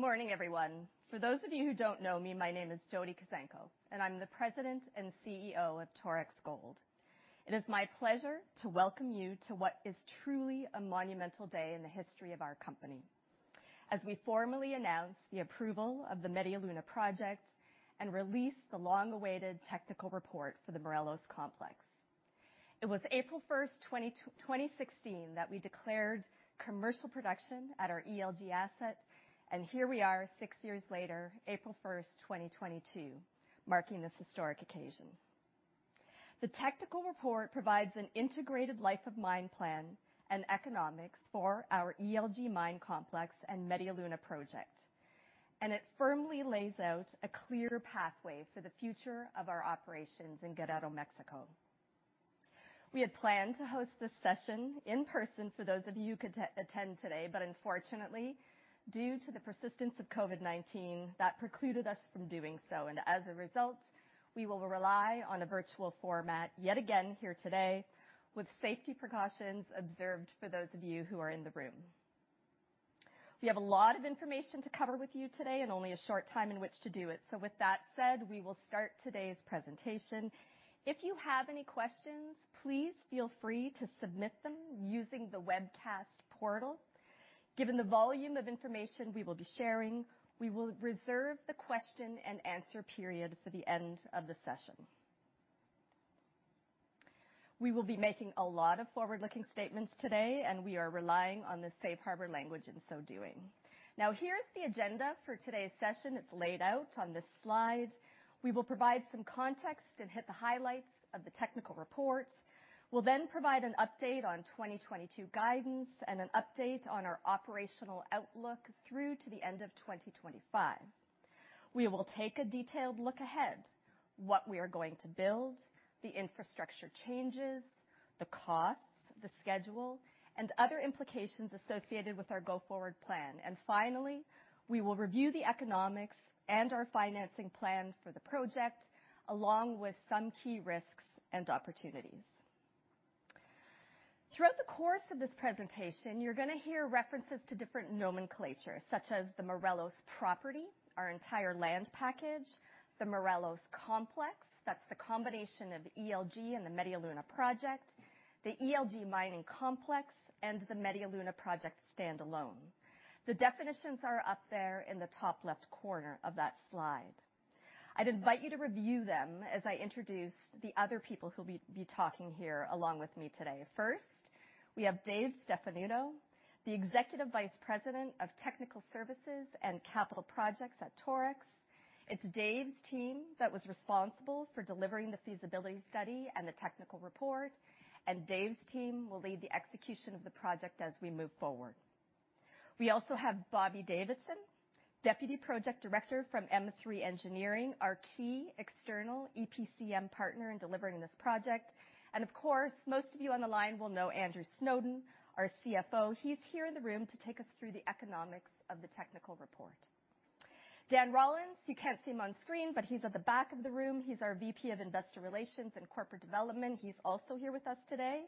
Good morning, everyone. For those of you who don't know me, my name is Jody Kuzenko, and I'm the President and CEO of Torex Gold. It is my pleasure to welcome you to what is truly a monumental day in the history of our company as we formally announce the approval of the Media Luna project and release the long-awaited technical report for the Morelos Complex. It was April 1, 2016 that we declared commercial production at our ELG asset, and here we are six years later, April 1, 2022, marking this historic occasion. The technical report provides an integrated life of mine plan and economics for our ELG mine complex and Media Luna project, and it firmly lays out a clear pathway for the future of our operations in Guerrero, Mexico. We had planned to host this session in person for those of you who could attend today, but unfortunately, due to the persistence of COVID-19, that precluded us from doing so, and as a result, we will rely on a virtual format yet again here today with safety precautions observed for those of you who are in the room. We have a lot of information to cover with you today and only a short time in which to do it. With that said, we will start today's presentation. If you have any questions, please feel free to submit them using the webcast portal. Given the volume of information we will be sharing, we will reserve the question and answer period for the end of the session. We will be making a lot of forward-looking statements today, and we are relying on the safe harbor language in so doing. Now, here's the agenda for today's session. It's laid out on this slide. We will provide some context and hit the highlights of the technical report. We'll then provide an update on 2022 guidance and an update on our operational outlook through to the end of 2025. We will take a detailed look ahead, what we are going to build, the infrastructure changes, the costs, the schedule, and other implications associated with our go-forward plan. Finally, we will review the economics and our financing plan for the project along with some key risks and opportunities. Throughout the course of this presentation, you're gonna hear references to different nomenclature, such as the Morelos property, our entire land package, the Morelos complex, that's the combination of ELG and the Media Luna project, the ELG mining complex, and the Media Luna project standalone. The definitions are up there in the top left corner of that slide. I'd invite you to review them as I introduce the other people who'll be talking here along with me today. First, we have Dave Stefanuto, the Executive Vice President of Technical Services and Capital Projects at Torex. It's Dave's team that was responsible for delivering the feasibility study and the technical report, and Dave's team will lead the execution of the project as we move forward. We also have Bobby Davidson, Deputy Project Director from M3 Engineering, our key external EPCM partner in delivering this project. Of course, most of you on the line will know Andrew Snowden, our CFO. He's here in the room to take us through the economics of the technical report. Dan Rollins, you can't see him on screen, but he's at the back of the room. He's our VP of Investor Relations and Corporate Development. He's also here with us today.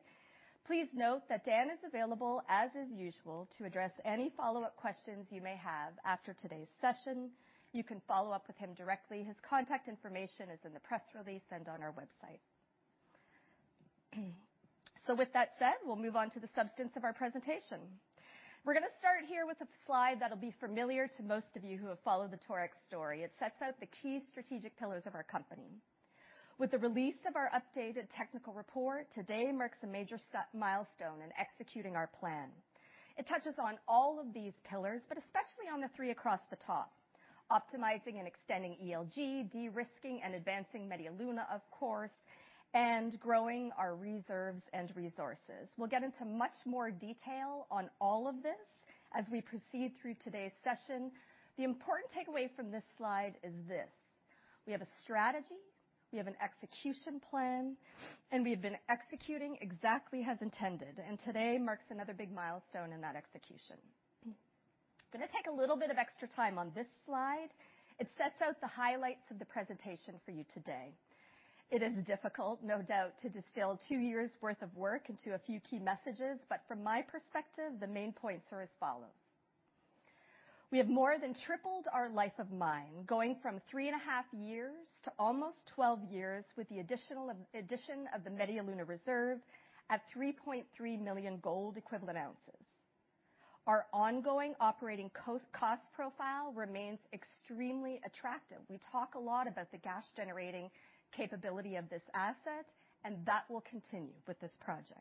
Please note that Dan is available, as is usual, to address any follow-up questions you may have after today's session. You can follow up with him directly. His contact information is in the press release and on our website. With that said, we'll move on to the substance of our presentation. We're gonna start here with a slide that'll be familiar to most of you who have followed the Torex story. It sets out the key strategic pillars of our company. With the release of our updated technical report, today marks a major milestone in executing our plan. It touches on all of these pillars, but especially on the three across the top, optimizing and extending ELG, de-risking and advancing Media Luna, of course, and growing our reserves and resources. We'll get into much more detail on all of this as we proceed through today's session. The important takeaway from this slide is this. We have a strategy, we have an execution plan, and we have been executing exactly as intended. Today marks another big milestone in that execution. Gonna take a little bit of extra time on this slide. It sets out the highlights of the presentation for you today. It is difficult, no doubt, to distill two years' worth of work into a few key messages, but from my perspective, the main points are as follows. We have more than tripled our life of mine, going from 3.5 years to almost 12 years with the addition of the Media Luna reserve at 3.3 million gold equivalent ounces. Our ongoing operating cost profile remains extremely attractive. We talk a lot about the cash generating capability of this asset, and that will continue with this project.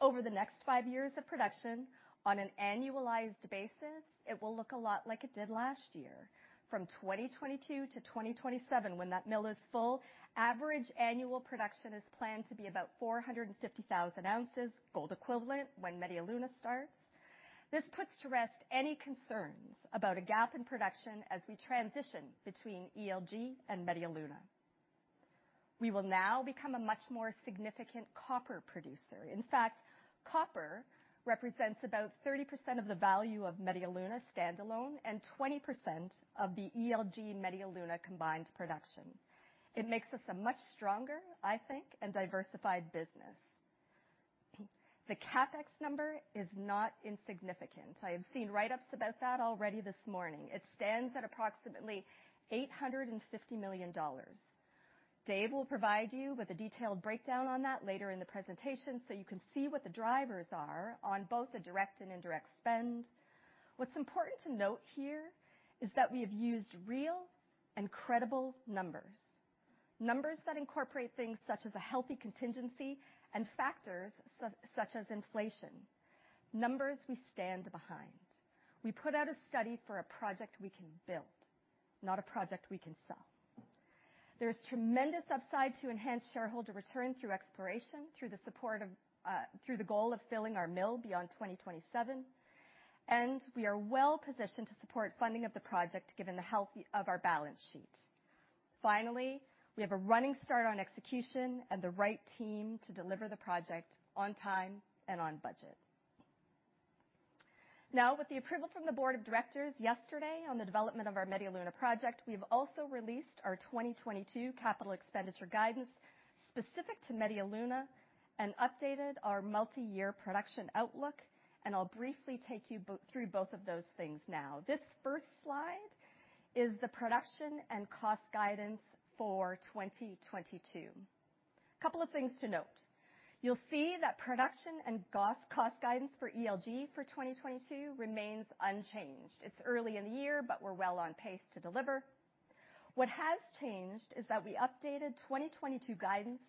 Over the next five years of production on an annualized basis, it will look a lot like it did last year. From 2022 to 2027, when that mill is full, average annual production is planned to be about 450,000 ounces gold equivalent when Media Luna starts. This puts to rest any concerns about a gap in production as we transition between ELG and Media Luna. We will now become a much more significant copper producer. In fact, copper represents about 30% of the value of Media Luna standalone and 20% of the ELG Media Luna combined production. It makes us a much stronger, I think, and diversified business. The CapEx number is not insignificant. I have seen write-ups about that already this morning. It stands at approximately $850 million. Dave will provide you with a detailed breakdown on that later in the presentation, so you can see what the drivers are on both the direct and indirect spend. What's important to note here is that we have used real and credible numbers. Numbers that incorporate things such as a healthy contingency and factors such as inflation. Numbers we stand behind. We put out a study for a project we can build, not a project we can sell. There's tremendous upside to enhance shareholder return through exploration, through the support of, through the goal of filling our mill beyond 2027, and we are well-positioned to support funding of the project given the healthy of our balance sheet. Finally, we have a running start on execution and the right team to deliver the project on time and on budget. Now, with the approval from the board of directors yesterday on the development of our Media Luna project, we've also released our 2022 capital expenditure guidance specific to Media Luna and updated our multi-year production outlook, and I'll briefly take you through both of those things now. This first slide is the production and cost guidance for 2022. Couple of things to note. You'll see that production and AISC guidance for ELG for 2022 remains unchanged. It's early in the year, but we're well on pace to deliver. What has changed is that we updated 2022 guidance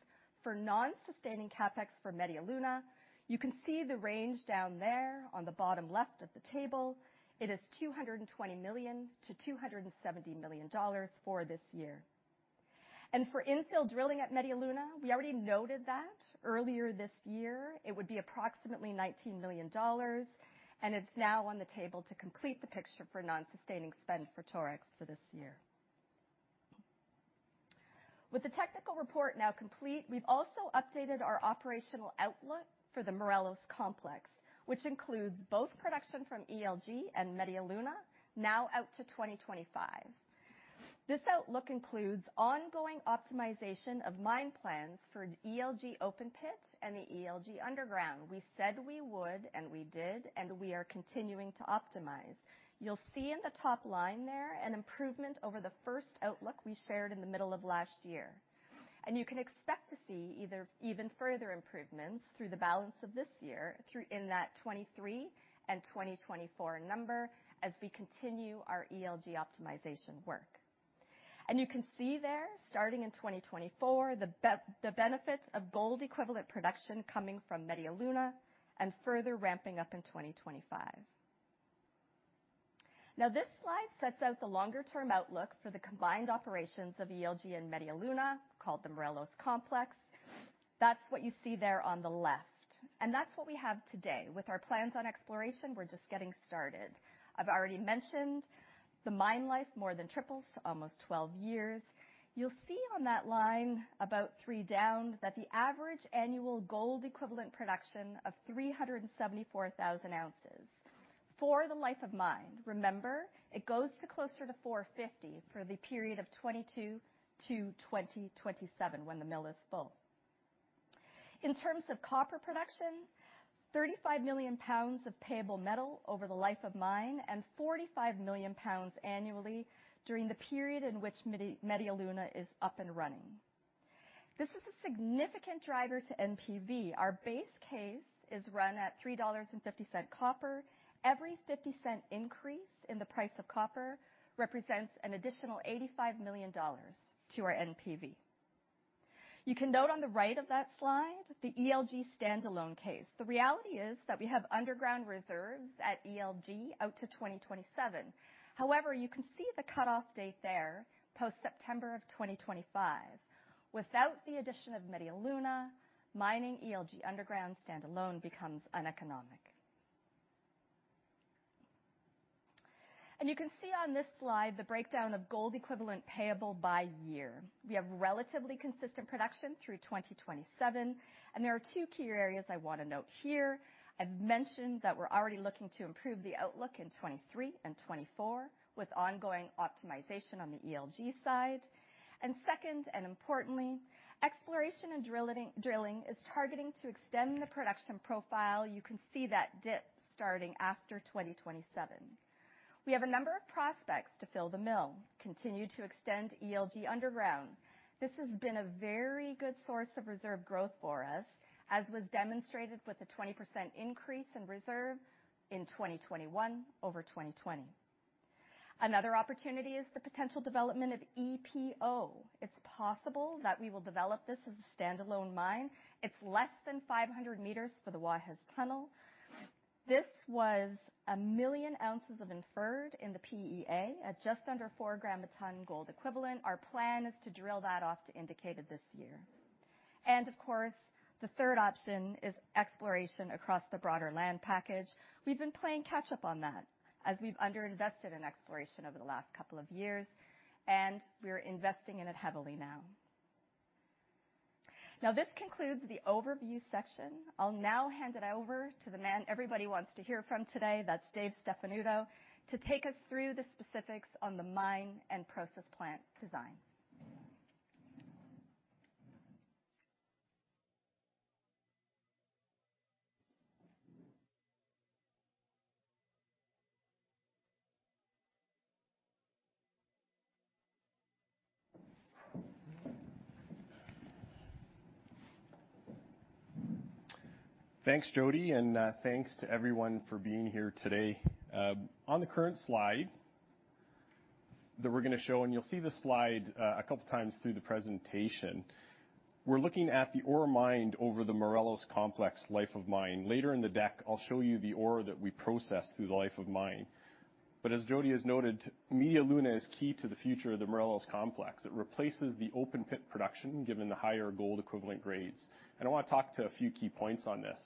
for non-sustaining CapEx for Media Luna. You can see the range down there on the bottom left of the table. It is $220 million-$270 million for this year. For infill drilling at Media Luna, we already noted that earlier this year. It would be approximately $19 million, and it's now on the table to complete the picture for non-sustaining spend for Torex for this year. With the technical report now complete, we've also updated our operational outlook for the Morelos Complex, which includes both production from ELG and Media Luna, now out to 2025. This outlook includes ongoing optimization of mine plans for ELG open pit and the ELG underground. We said we would, and we did, and we are continuing to optimize. You'll see in the top line there an improvement over the first outlook we shared in the middle of last year. You can expect to see either even further improvements through the balance of this year, in that 2023 and 2024 number as we continue our ELG optimization work. You can see there, starting in 2024, the benefits of gold equivalent production coming from Media Luna and further ramping up in 2025. Now, this slide sets out the longer term outlook for the combined operations of ELG and Media Luna, called the Morelos Complex. That's what you see there on the left. That's what we have today. With our plans on exploration, we're just getting started. I've already mentioned the mine life more than triples, almost 12 years. You'll see on that line about three down that the average annual gold equivalent production of 374,000 ounces for the life of mine. Remember, it goes to closer to 450 for the period of 2022 to 2027 when the mill is full. In terms of copper production, 35 million pounds of payable metal over the life of mine and 45 million pounds annually during the period in which Media Luna is up and running. This is a significant driver to NPV. Our base case is run at $3.50 copper. Every $0.50 increase in the price of copper represents an additional $85 million to our NPV. You can note on the right of that slide the ELG standalone case. The reality is that we have underground reserves at ELG out to 2027. However, you can see the cutoff date there, post-September 2025. Without the addition of Media Luna, mining ELG underground standalone becomes uneconomic. You can see on this slide the breakdown of gold equivalent payable by year. We have relatively consistent production through 2027, and there are two key areas I wanna note here. I've mentioned that we're already looking to improve the outlook in 2023 and 2024 with ongoing optimization on the ELG side. Second, and importantly, exploration and drilling is targeting to extend the production profile. You can see that dip starting after 2027. We have a number of prospects to fill the mill, continue to extend ELG underground. This has been a very good source of reserve growth for us, as was demonstrated with the 20% increase in reserve in 2021 over 2020. Another opportunity is the potential development of EPO. It's possible that we will develop this as a standalone mine. It's less than 500 m from the Guajes Tunnel. This was 1 million ounces of inferred in the PEA at just under four g/t gold equivalent. Our plan is to drill that off to indicated this year. Of course, the third option is exploration across the broader land package. We've been playing catch up on that as we've underinvested in exploration over the last couple of years, and we're investing in it heavily now. Now this concludes the overview section. I'll now hand it over to the man everybody wants to hear from today, that's Dave Stefanuto, to take us through the specifics on the mine and process plant design. Thanks, Jody, and thanks to everyone for being here today. On the current slide that we're gonna show, and you'll see this slide a couple times through the presentation, we're looking at the ore mined over the Morelos Complex life of mine. Later in the deck, I'll show you the ore that we process through the life of mine. As Jody has noted, Media Luna is key to the future of the Morelos Complex. It replaces the open pit production, given the higher gold equivalent grades. I wanna talk to a few key points on this.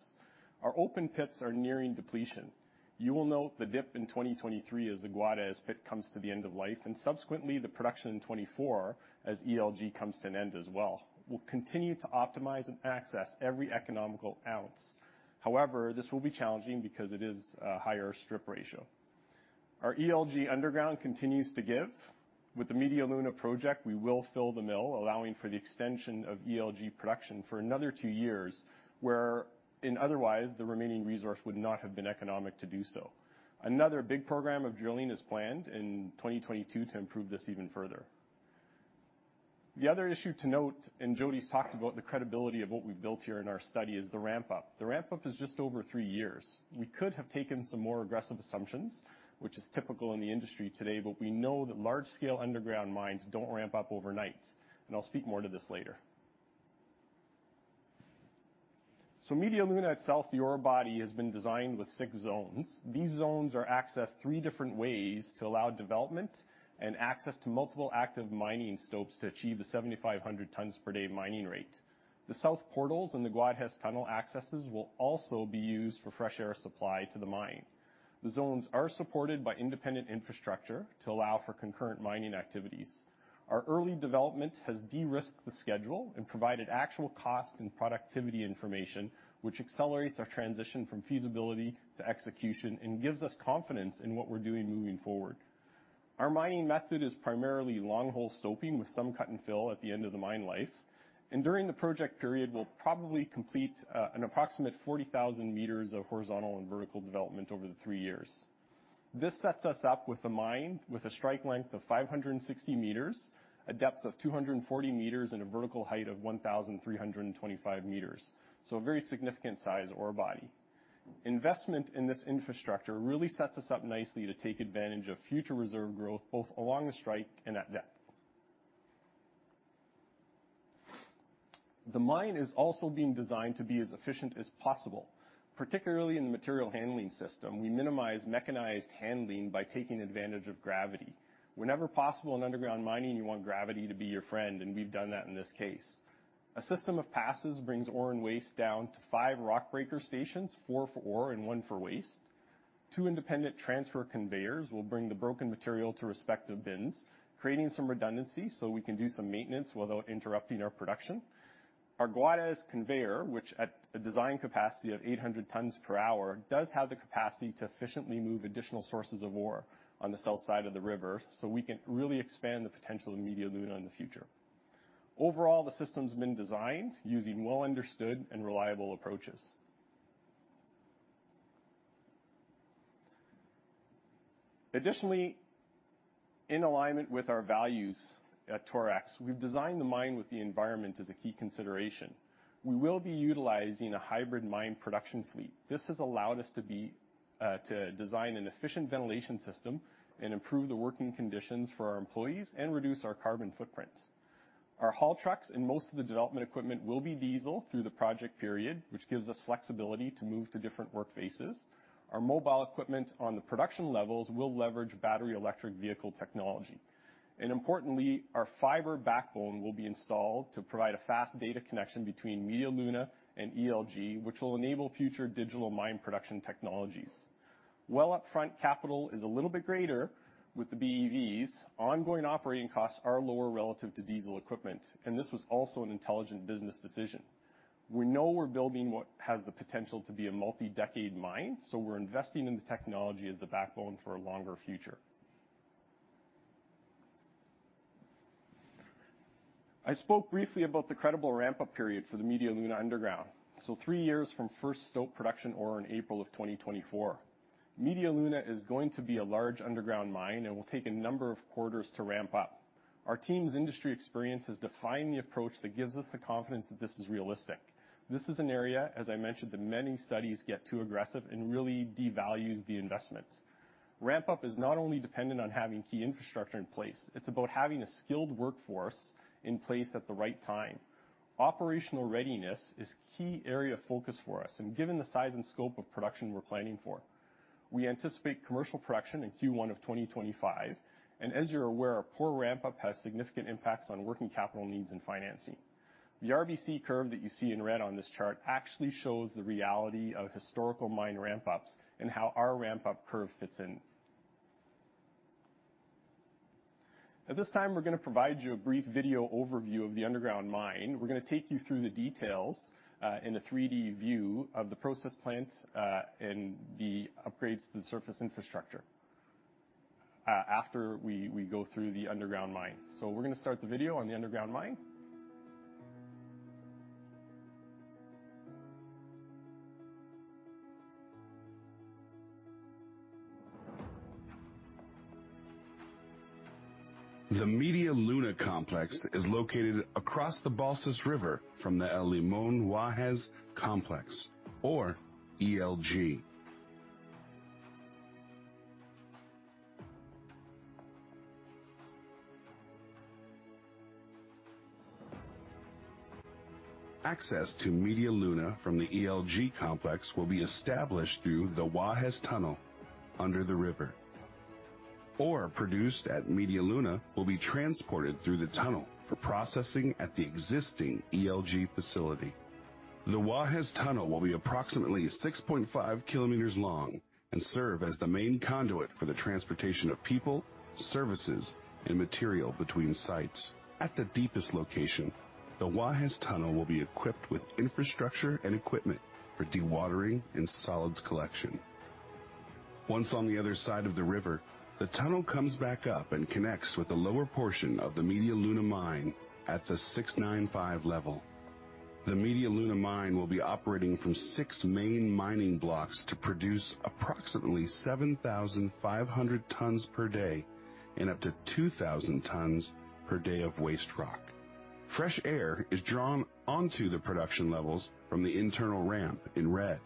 Our open pits are nearing depletion. You will note the dip in 2023 as the Guajes pit comes to the end of life, and subsequently the production in 2024, as ELG comes to an end as well. We'll continue to optimize and access every economic ounce. However, this will be challenging because it is a higher strip ratio. Our ELG underground continues to give. With the Media Luna project, we will fill the mill, allowing for the extension of ELG production for another two years, wherein otherwise the remaining resource would not have been economic to do so. Another big program of drilling is planned in 2022 to improve this even further. The other issue to note, and Jody's talked about the credibility of what we've built here in our study, is the ramp up. The ramp up is just over three years. We could have taken some more aggressive assumptions, which is typical in the industry today, but we know that large-scale underground mines don't ramp up overnight, and I'll speak more to this later. Media Luna itself, the ore body, has been designed with six zones. These zones are accessed three different ways to allow development and access to multiple active mining stopes to achieve the 7,500 tons per day mining rate. The south portals and the Guajes tunnel accesses will also be used for fresh air supply to the mine. The zones are supported by independent infrastructure to allow for concurrent mining activities. Our early development has de-risked the schedule and provided actual cost and productivity information, which accelerates our transition from feasibility to execution and gives us confidence in what we're doing moving forward. Our mining method is primarily long hole stoping with some cut and fill at the end of the mine life. During the project period, we'll probably complete an approximate 40,000 m of horizontal and vertical development over the three years. This sets us up with a mine with a strike length of 560 m, a depth of 240 m, and a vertical height of 1,325 m, so a very significant size ore body. Investment in this infrastructure really sets us up nicely to take advantage of future reserve growth, both along the strike and at depth. The mine is also being designed to be as efficient as possible, particularly in the material handling system. We minimize mechanized handling by taking advantage of gravity. Whenever possible in underground mining, you want gravity to be your friend, and we've done that in this case. A system of passes brings ore and waste down to five rock breaker stations, four for ore and one for waste. Two independent transfer conveyors will bring the broken material to respective bins, creating some redundancy so we can do some maintenance without interrupting our production. Our Guajes conveyor, which at a design capacity of 800 tons per hour, does have the capacity to efficiently move additional sources of ore on the south side of the river, so we can really expand the potential of Media Luna in the future. Overall, the system's been designed using well-understood and reliable approaches. Additionally, in alignment with our values at Torex, we've designed the mine with the environment as a key consideration. We will be utilizing a hybrid mine production fleet. This has allowed us to design an efficient ventilation system and improve the working conditions for our employees and reduce our carbon footprints. Our haul trucks and most of the development equipment will be diesel through the project period, which gives us flexibility to move to different work phases. Our mobile equipment on the production levels will leverage battery electric vehicle technology. Importantly, our fiber backbone will be installed to provide a fast data connection between Media Luna and ELG, which will enable future digital mine production technologies. While upfront capital is a little bit greater with the BEVs, ongoing operating costs are lower relative to diesel equipment, and this was also an intelligent business decision. We know we're building what has the potential to be a multi-decade mine, so we're investing in the technology as the backbone for a longer future. I spoke briefly about the credible ramp-up period for the Media Luna underground, so three years from first stope production ore in April of 2024. Media Luna is going to be a large underground mine and will take a number of quarters to ramp up. Our team's industry experience has defined the approach that gives us the confidence that this is realistic. This is an area, as I mentioned, that many studies get too aggressive and really devalues the investments. Ramp up is not only dependent on having key infrastructure in place, it's about having a skilled workforce in place at the right time. Operational readiness is key area of focus for us and given the size and scope of production we're planning for. We anticipate commercial production in Q1 of 2025, and as you're aware, a poor ramp up has significant impacts on working capital needs and financing. The RBC curve that you see in red on this chart actually shows the reality of historical mine ramp ups and how our ramp up curve fits in. At this time, we're gonna provide you a brief video overview of the underground mine. We're gonna take you through the details in a 3-D view of the process plants and the upgrades to the surface infrastructure after we go through the underground mine. We're gonna start the video on the underground mine. The Media Luna complex is located across the Balsas River from the El Limón-Guajes complex or ELG. Access to Media Luna from the ELG complex will be established through the Guajes tunnel under the river. Ore produced at Media Luna will be transported through the tunnel for processing at the existing ELG facility. The Guajes tunnel will be approximately 6.5 km long and serve as the main conduit for the transportation of people, services, and material between sites. At the deepest location, the Guajes tunnel will be equipped with infrastructure and equipment for dewatering and solids collection. Once on the other side of the river, the tunnel comes back up and connects with the lower portion of the Media Luna mine at the 695 level. The Media Luna mine will be operating from six main mining blocks to produce approximately 7,500 tons per day and up to 2,000 tons per day of waste rock. Fresh air is drawn onto the production levels from the internal ramp in red,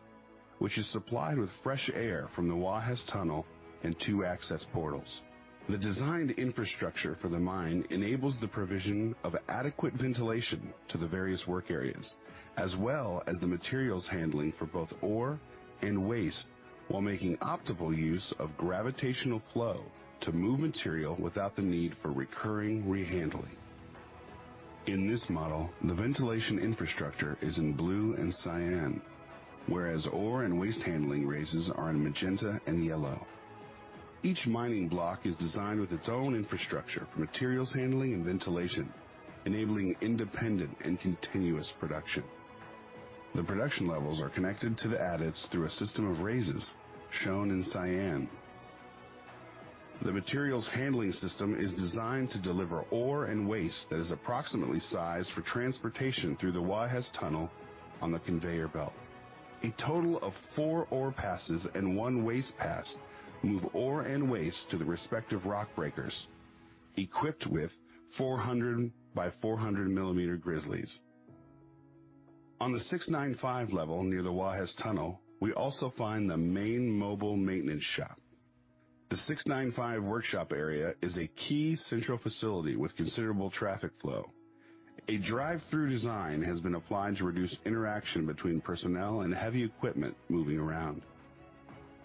which is supplied with fresh air from the Guajes tunnel and two access portals. The designed infrastructure for the mine enables the provision of adequate ventilation to the various work areas, as well as the materials handling for both ore and waste while making optimal use of gravitational flow to move material without the need for recurring rehandling. In this model, the ventilation infrastructure is in blue and cyan, whereas ore and waste handling raises are in magenta and yellow. Each mining block is designed with its own infrastructure for materials handling and ventilation, enabling independent and continuous production. The production levels are connected to the adits through a system of raises, shown in cyan. The materials handling system is designed to deliver ore and waste that is approximately sized for transportation through the Guajes tunnel on the conveyor belt. A total of four ore passes and one waste pass move ore and waste to the respective rock breakers equipped with 400 by 400 millimeter grizzlies. On the 695 level near the Guajes tunnel, we also find the main mobile maintenance shop. The 695 workshop area is a key central facility with considerable traffic flow. A drive-thru design has been applied to reduce interaction between personnel and heavy equipment moving around.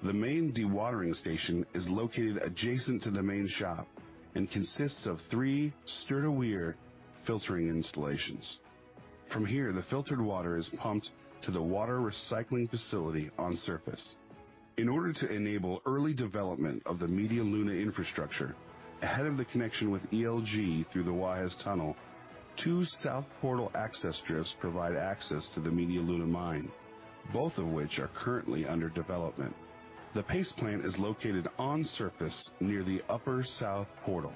The main dewatering station is located adjacent to the main shop and consists of three STILR weir filtering installations. From here, the filtered water is pumped to the water recycling facility on surface. In order to enable early development of the Media Luna infrastructure, ahead of the connection with ELG through the Guajes tunnel, two South Portal access drifts provide access to the Media Luna mine, both of which are currently under development. The paste plant is located on surface near the upper South Portal.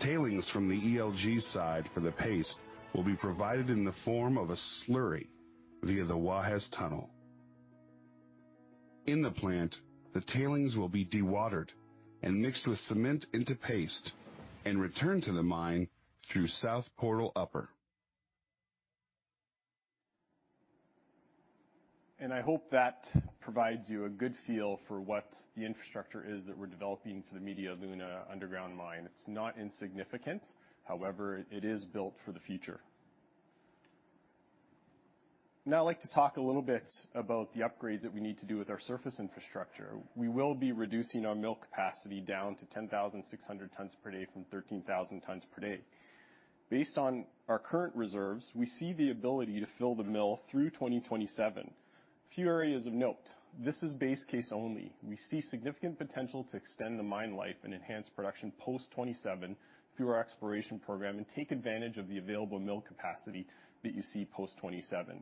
Tailings from the ELG side for the paste will be provided in the form of a slurry via the Guajes tunnel. In the plant, the tailings will be dewatered and mixed with cement into paste and returned to the mine through South Portal upper. I hope that provides you a good feel for what the infrastructure is that we're developing for the Media Luna underground mine. It's not insignificant. However, it is built for the future. Now, I'd like to talk a little bit about the upgrades that we need to do with our surface infrastructure. We will be reducing our mill capacity down to 10,600 tons per day from 13,000 tons per day. Based on our current reserves, we see the ability to fill the mill through 2027. A few areas of note. This is base case only. We see significant potential to extend the mine life and enhance production post 2027 through our exploration program and take advantage of the available mill capacity that you see post 2027.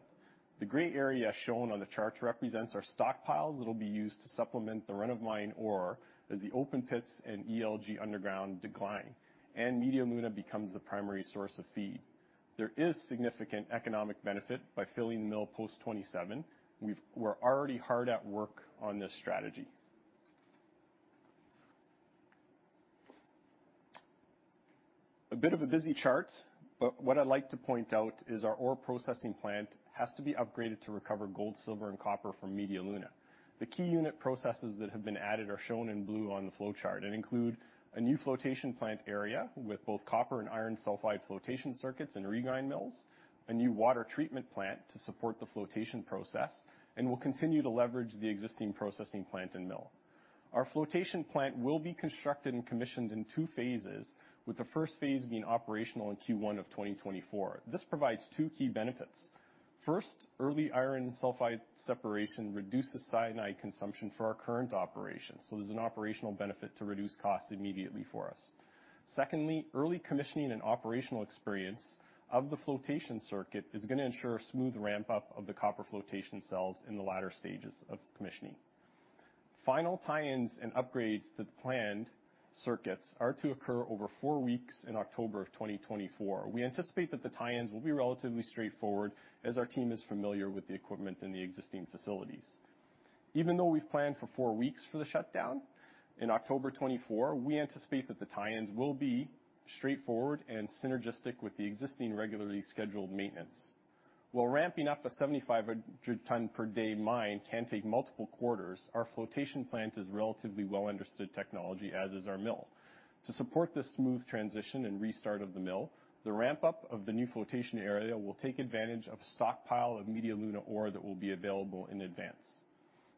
The gray area shown on the chart represents our stockpiles that'll be used to supplement the run of mine ore as the open pits and ELG underground decline and Media Luna becomes the primary source of feed. There is significant economic benefit by filling the mill post 2027. We're already hard at work on this strategy. A bit of a busy chart, but what I'd like to point out is our ore processing plant has to be upgraded to recover gold, silver, and copper from Media Luna. The key unit processes that have been added are shown in blue on the flow chart and include a new flotation plant area with both copper and iron sulfide flotation circuits and regrind mills, a new water treatment plant to support the flotation process, and we'll continue to leverage the existing processing plant and mill. Our flotation plant will be constructed and commissioned in two phases, with the first phase being operational in Q1 of 2024. This provides two key benefits. First, early iron sulfide separation reduces cyanide consumption for our current operations, so there's an operational benefit to reduce costs immediately for us. Secondly, early commissioning and operational experience of the flotation circuit is gonna ensure a smooth ramp-up of the copper flotation cells in the latter stages of commissioning. Final tie-ins and upgrades to the planned circuits are to occur over four weeks in October of 2024. We anticipate that the tie-ins will be relatively straightforward as our team is familiar with the equipment in the existing facilities. Even though we've planned for four weeks for the shutdown in October 2024, we anticipate that the tie-ins will be straightforward and synergistic with the existing regularly scheduled maintenance. While ramping up a 7,500 ton per day mine can take multiple quarters, our flotation plant is relatively well understood technology, as is our mill. To support this smooth transition and restart of the mill, the ramp-up of the new flotation area will take advantage of a stockpile of Media Luna ore that will be available in advance.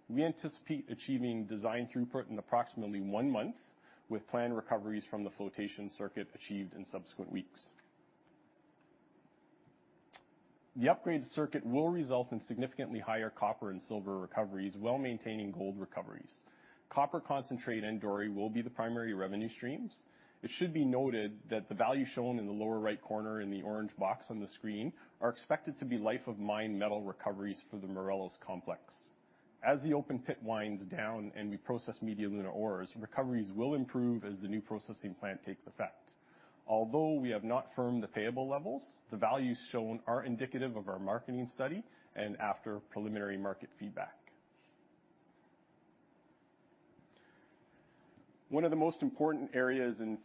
We anticipate achieving design throughput in approximately one month, with planned recoveries from the flotation circuit achieved in subsequent weeks. The upgraded circuit will result in significantly higher copper and silver recoveries while maintaining gold recoveries. Copper concentrate and doré will be the primary revenue streams. It should be noted that the value shown in the lower right corner in the orange box on the screen are expected to be life of mine metal recoveries for the Morelos Complex. As the open pit winds down and we process Media Luna ores, recoveries will improve as the new processing plant takes effect. Although we have not firmed the payable levels, the values shown are indicative of our marketing study and after preliminary market feedback. One of the most important areas and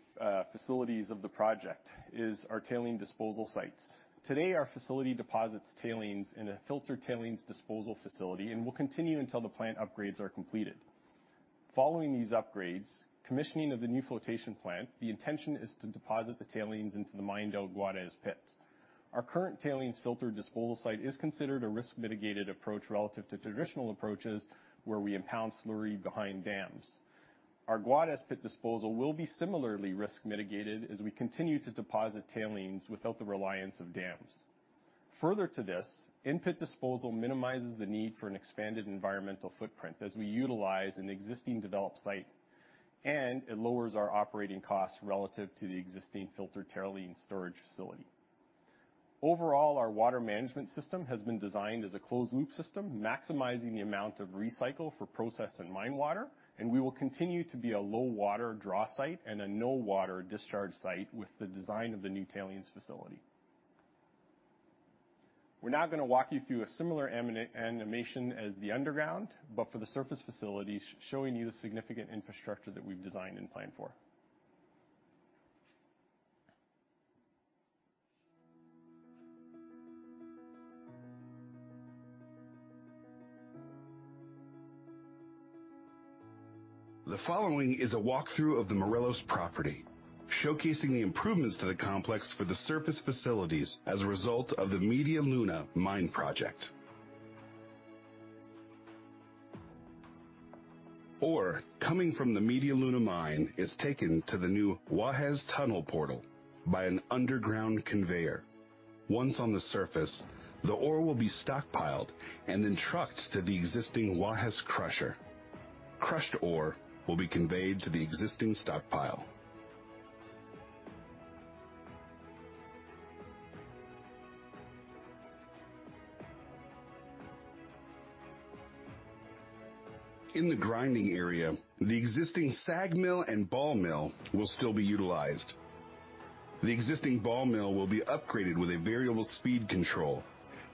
facilities of the project is our tailings disposal sites. Today, our facility deposits tailings in a filtered tailings disposal facility and will continue until the plant upgrades are completed. Following these upgrades, commissioning of the new flotation plant, the intention is to deposit the tailings into the mined-out Guajes Pit. Our current tailings filter disposal site is considered a risk mitigated approach relative to traditional approaches, where we impound slurry behind dams. Our Guajes Pit disposal will be similarly risk mitigated as we continue to deposit tailings without the reliance of dams. Further to this, in-pit disposal minimizes the need for an expanded environmental footprint as we utilize an existing developed site, and it lowers our operating costs relative to the existing filtered tailings storage facility. Overall, our water management system has been designed as a closed loop system, maximizing the amount of recycle for process and mine water, and we will continue to be a low water draw site and a no water discharge site with the design of the new tailings facility. We're now gonna walk you through a similar animation as the underground, but for the surface facilities, showing you the significant infrastructure that we've designed and planned for. The following is a walkthrough of the Morelos property, showcasing the improvements to the complex for the surface facilities as a result of the Media Luna Mine project. Ore coming from the Media Luna Mine is taken to the new Guajes Tunnel portal by an underground conveyor. Once on the surface, the ore will be stockpiled and then trucked to the existing Guajes crusher. Crushed ore will be conveyed to the existing stockpile. In the grinding area, the existing SAG mill and ball mill will still be utilized. The existing ball mill will be upgraded with a variable speed control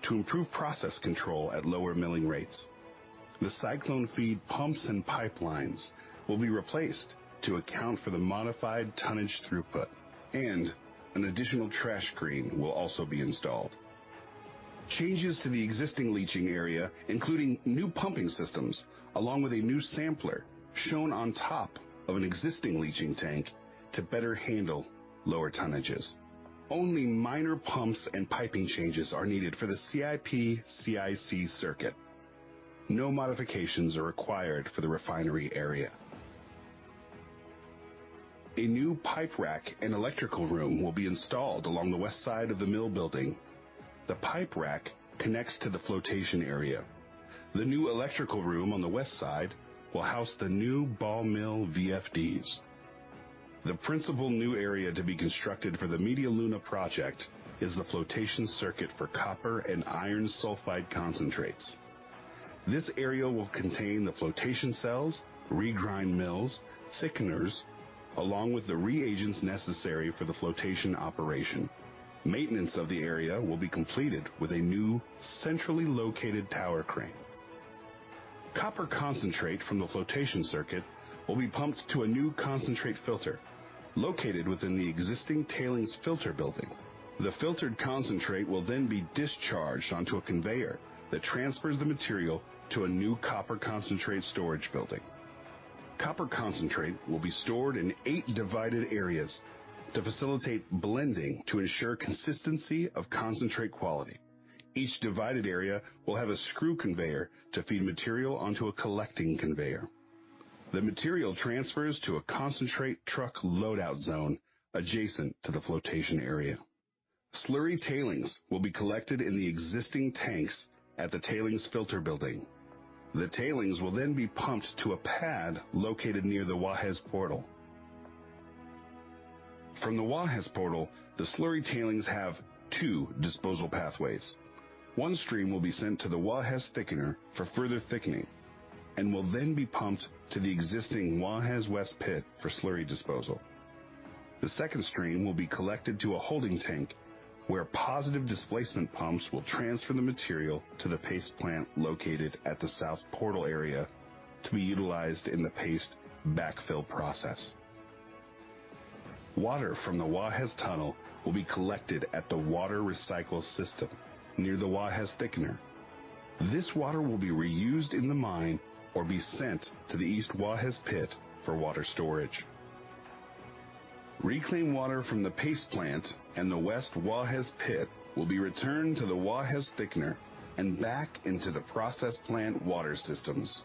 to improve process control at lower milling rates. The cyclone feed pumps and pipelines will be replaced to account for the modified tonnage throughput, and an additional trash screen will also be installed. Changes to the existing leaching area, including new pumping systems, along with a new sampler shown on top of an existing leaching tank to better handle lower tonnages. Only minor pumps and piping changes are needed for the CIP/CIL circuit. No modifications are required for the refinery area. A new pipe rack and electrical room will be installed along the west side of the mill building. The pipe rack connects to the flotation area. The new electrical room on the west side will house the new ball mill VFDs. The principal new area to be constructed for the Media Luna project is the flotation circuit for copper and iron sulfide concentrates. This area will contain the flotation cells, regrind mills, thickeners, along with the reagents necessary for the flotation operation. Maintenance of the area will be completed with a new centrally located tower crane. Copper concentrate from the flotation circuit will be pumped to a new concentrate filter located within the existing tailings filter building. The filtered concentrate will then be discharged onto a conveyor that transfers the material to a new copper concentrate storage building. Copper concentrate will be stored in eight divided areas to facilitate blending to ensure consistency of concentrate quality. Each divided area will have a screw conveyor to feed material onto a collecting conveyor. The material transfers to a concentrate truck load-out zone adjacent to the flotation area. Slurry tailings will be collected in the existing tanks at the tailings filter building. The tailings will then be pumped to a pad located near the Guajes Portal. From the Guajes Portal, the slurry tailings have two disposal pathways. One stream will be sent to the Guajes thickener for further thickening, and will then be pumped to the existing Guajes West pit for slurry disposal. The second stream will be collected to a holding tank, where positive displacement pumps will transfer the material to the paste plant located at the south portal area to be utilized in the paste backfill process. Water from the Guajes tunnel will be collected at the water recycle system near the Guajes thickener. This water will be reused in the mine or be sent to the East Guajes pit for water storage. Reclaimed water from the paste plant and the West Guajes pit will be returned to the Guajes thickener and back into the process plant water systems.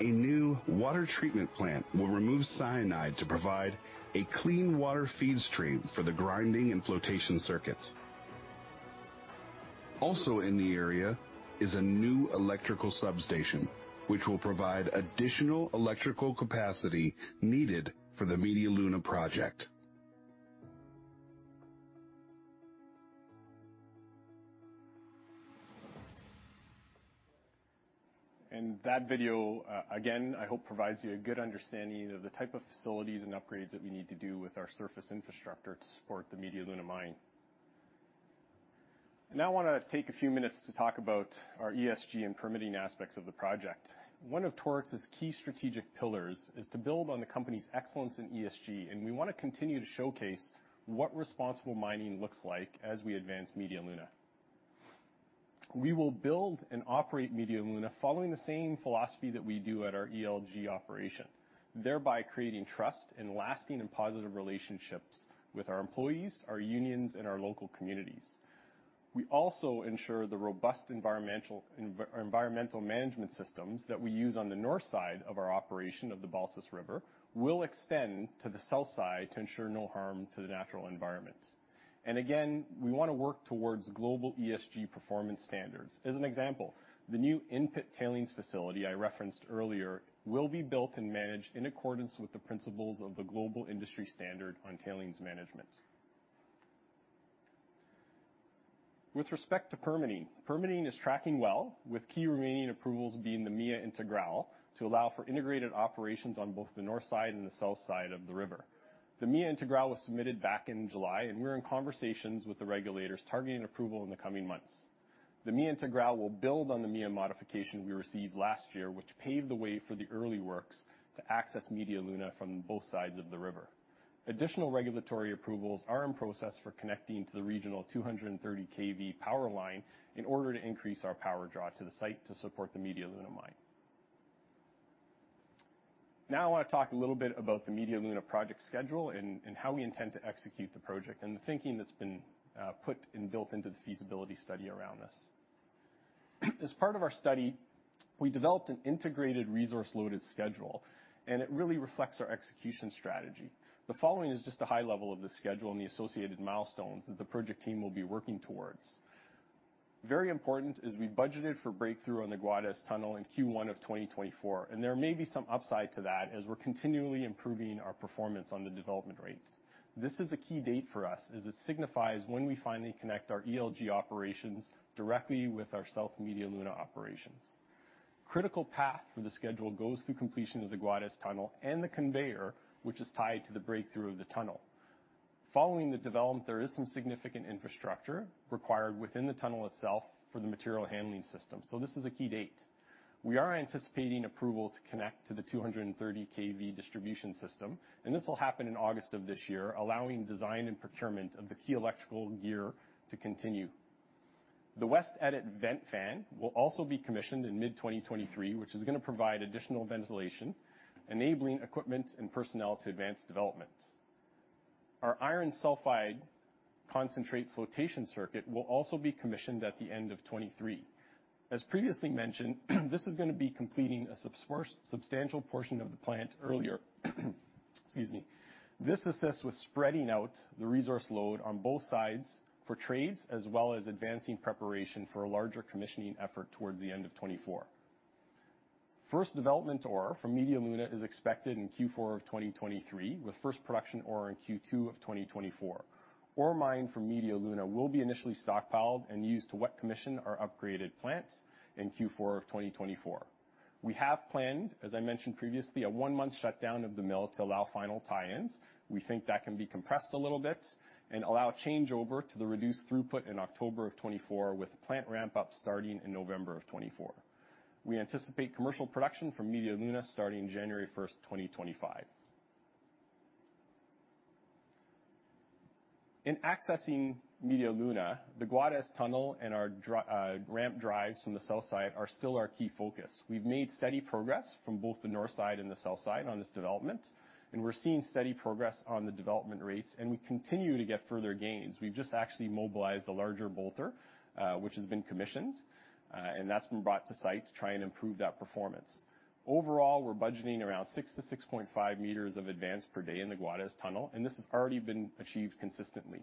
A new water treatment plant will remove cyanide to provide a clean water feed stream for the grinding and flotation circuits. Also in the area is a new electrical substation, which will provide additional electrical capacity needed for the Media Luna project. That video, again, I hope provides you a good understanding of the type of facilities and upgrades that we need to do with our surface infrastructure to support the Media Luna mine. Now I wanna take a few minutes to talk about our ESG and permitting aspects of the project. One of Torex's key strategic pillars is to build on the company's excellence in ESG, and we wanna continue to showcase what responsible mining looks like as we advance Media Luna. We will build and operate Media Luna following the same philosophy that we do at our ELG operation, thereby creating trust and lasting and positive relationships with our employees, our unions, and our local communities. We also ensure the robust environmental management systems that we use on the north side of our operations on the Balsas River will extend to the south side to ensure no harm to the natural environment. Again, we wanna work towards global ESG performance standards. As an example, the new in-pit tailings facility I referenced earlier will be built and managed in accordance with the principles of the global industry standard on tailings management. With respect to permitting is tracking well, with key remaining approvals being the MIA Integral to allow for integrated operations on both the north side and the south side of the river. The MIA Integral was submitted back in July, and we're in conversations with the regulators targeting approval in the coming months. The MIA Integral will build on the MIA Modification we received last year, which paved the way for the early works to access Media Luna from both sides of the river. Additional regulatory approvals are in process for connecting to the regional 230 KV power line in order to increase our power draw to the site to support the Media Luna mine. Now I wanna talk a little bit about the Media Luna project schedule and how we intend to execute the project and the thinking that's been put and built into the feasibility study around this. As part of our study, we developed an integrated resource loaded schedule, and it really reflects our execution strategy. The following is just a high level of the schedule and the associated milestones that the project team will be working towards. Very important is we budgeted for breakthrough on the Guajes tunnel in Q1 of 2024, and there may be some upside to that as we're continually improving our performance on the development rates. This is a key date for us as it signifies when we finally connect our ELG operations directly with our south Media Luna operations. Critical path for the schedule goes through completion of the Guajes tunnel and the conveyor, which is tied to the breakthrough of the tunnel. Following the development, there is some significant infrastructure required within the tunnel itself for the material handling system. This is a key date. We are anticipating approval to connect to the 230 KV distribution system, and this will happen in August of this year, allowing design and procurement of the key electrical gear to continue. The West Adit vent fan will also be commissioned in mid-2023, which is gonna provide additional ventilation, enabling equipment and personnel to advance development. Our iron sulfide concentrate flotation circuit will also be commissioned at the end of 2023. As previously mentioned, this is gonna be completing a substantial portion of the plant earlier. Excuse me. This assists with spreading out the resource load on both sides for trades, as well as advancing preparation for a larger commissioning effort towards the end of 2024. First development ore from Media Luna is expected in Q4 of 2023, with first production ore in Q2 of 2024. Ore mined from Media Luna will be initially stockpiled and used to wet commission our upgraded plants in Q4 of 2024. We have planned, as I mentioned previously, a one-month shutdown of the mill to allow final tie-ins. We think that can be compressed a little bit and allow changeover to the reduced throughput in October 2024, with plant ramp up starting in November 2024. We anticipate commercial production from Media Luna starting January 1, 2025. In assessing Media Luna, the Guajes tunnel and our ramp drives from the south side are still our key focus. We've made steady progress from both the north side and the south side on this development, and we're seeing steady progress on the development rates, and we continue to get further gains. We've just actually mobilized a larger bolter, which has been commissioned, and that's been brought to site to try and improve that performance. Overall, we're budgeting around six to 6.5 m of advance per day in the Guajes tunnel, and this has already been achieved consistently.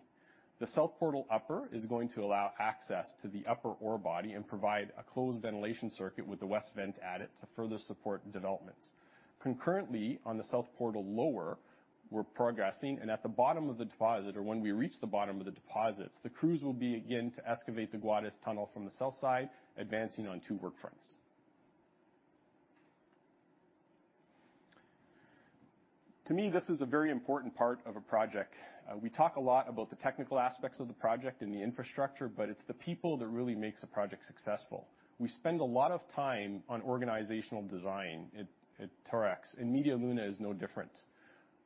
The south portal upper is going to allow access to the upper ore body and provide a closed ventilation circuit with the West vent adit to further support developments. Concurrently, on the south portal lower, we're progressing, and at the bottom of the deposit, or when we reach the bottom of the deposits, the crews will begin to excavate the Guajes tunnel from the south side, advancing on two work fronts. To me, this is a very important part of a project. We talk a lot about the technical aspects of the project and the infrastructure, but it's the people that really makes a project successful. We spend a lot of time on organizational design at Torex, and Media Luna is no different.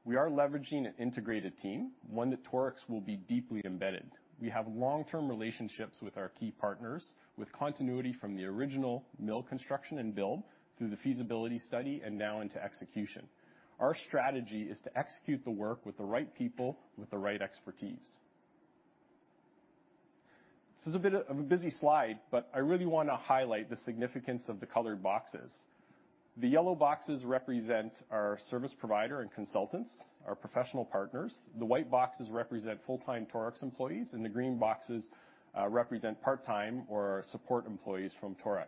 We are leveraging an integrated team, one that Torex will be deeply embedded. We have long-term relationships with our key partners, with continuity from the original mill construction and build through the feasibility study and now into execution. Our strategy is to execute the work with the right people with the right expertise. This is a bit of a busy slide, but I really wanna highlight the significance of the colored boxes. The yellow boxes represent our service provider and consultants, our professional partners. The white boxes represent full-time Torex employees, and the green boxes represent part-time or support employees from Torex.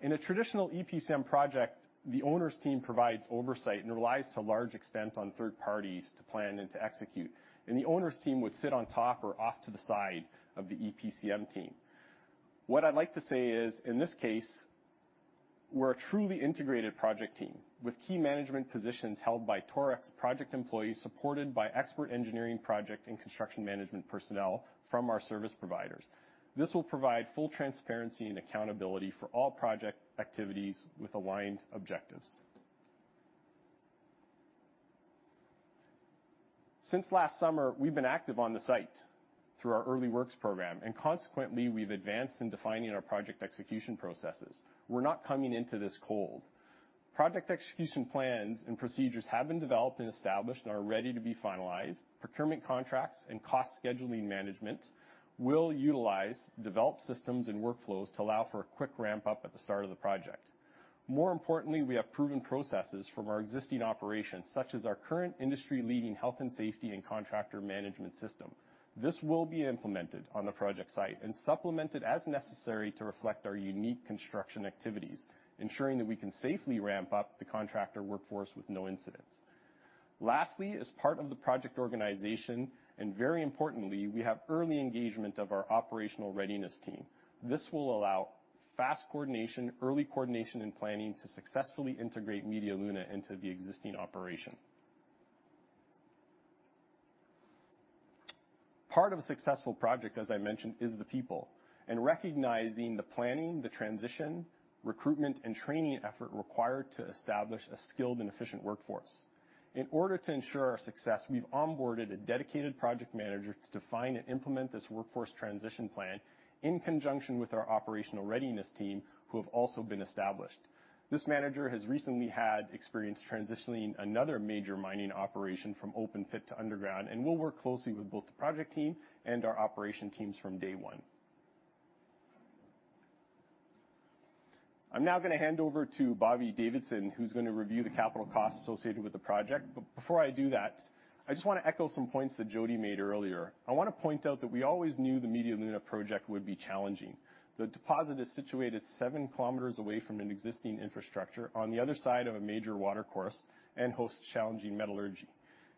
In a traditional EPCM project, the owner's team provides oversight and relies to a large extent on third parties to plan and to execute, and the owner's team would sit on top or off to the side of the EPCM team. What I'd like to say is, in this case, we're a truly integrated project team with key management positions held by Torex project employees supported by expert engineering project and construction management personnel from our service providers. This will provide full transparency and accountability for all project activities with aligned objectives. Since last summer, we've been active on the site through our early works program, and consequently, we've advanced in defining our project execution processes. We're not coming into this cold. Project execution plans and procedures have been developed and established and are ready to be finalized. Procurement contracts and cost scheduling management will utilize developed systems and workflows to allow for a quick ramp-up at the start of the project. More importantly, we have proven processes from our existing operations, such as our current industry-leading health and safety and contractor management system. This will be implemented on the project site and supplemented as necessary to reflect our unique construction activities, ensuring that we can safely ramp up the contractor workforce with no incidents. Lastly, as part of the project organization, and very importantly, we have early engagement of our operational readiness team. This will allow fast coordination, early coordination, and planning to successfully integrate Media Luna into the existing operation. Part of a successful project, as I mentioned, is the people and recognizing the planning, the transition, recruitment, and training effort required to establish a skilled and efficient workforce. In order to ensure our success, we've onboarded a dedicated project manager to define and implement this workforce transition plan in conjunction with our operational readiness team, who have also been established. This manager has recently had experience transitioning another major mining operation from open pit to underground, and will work closely with both the project team and our operation teams from day one. I'm now gonna hand over to Bobby Davidson, who's gonna review the capital costs associated with the project. Before I do that, I just wanna echo some points that Jody made earlier. I wanna point out that we always knew the Media Luna project would be challenging. The deposit is situated 7 km away from an existing infrastructure on the other side of a major water course and hosts challenging metallurgy.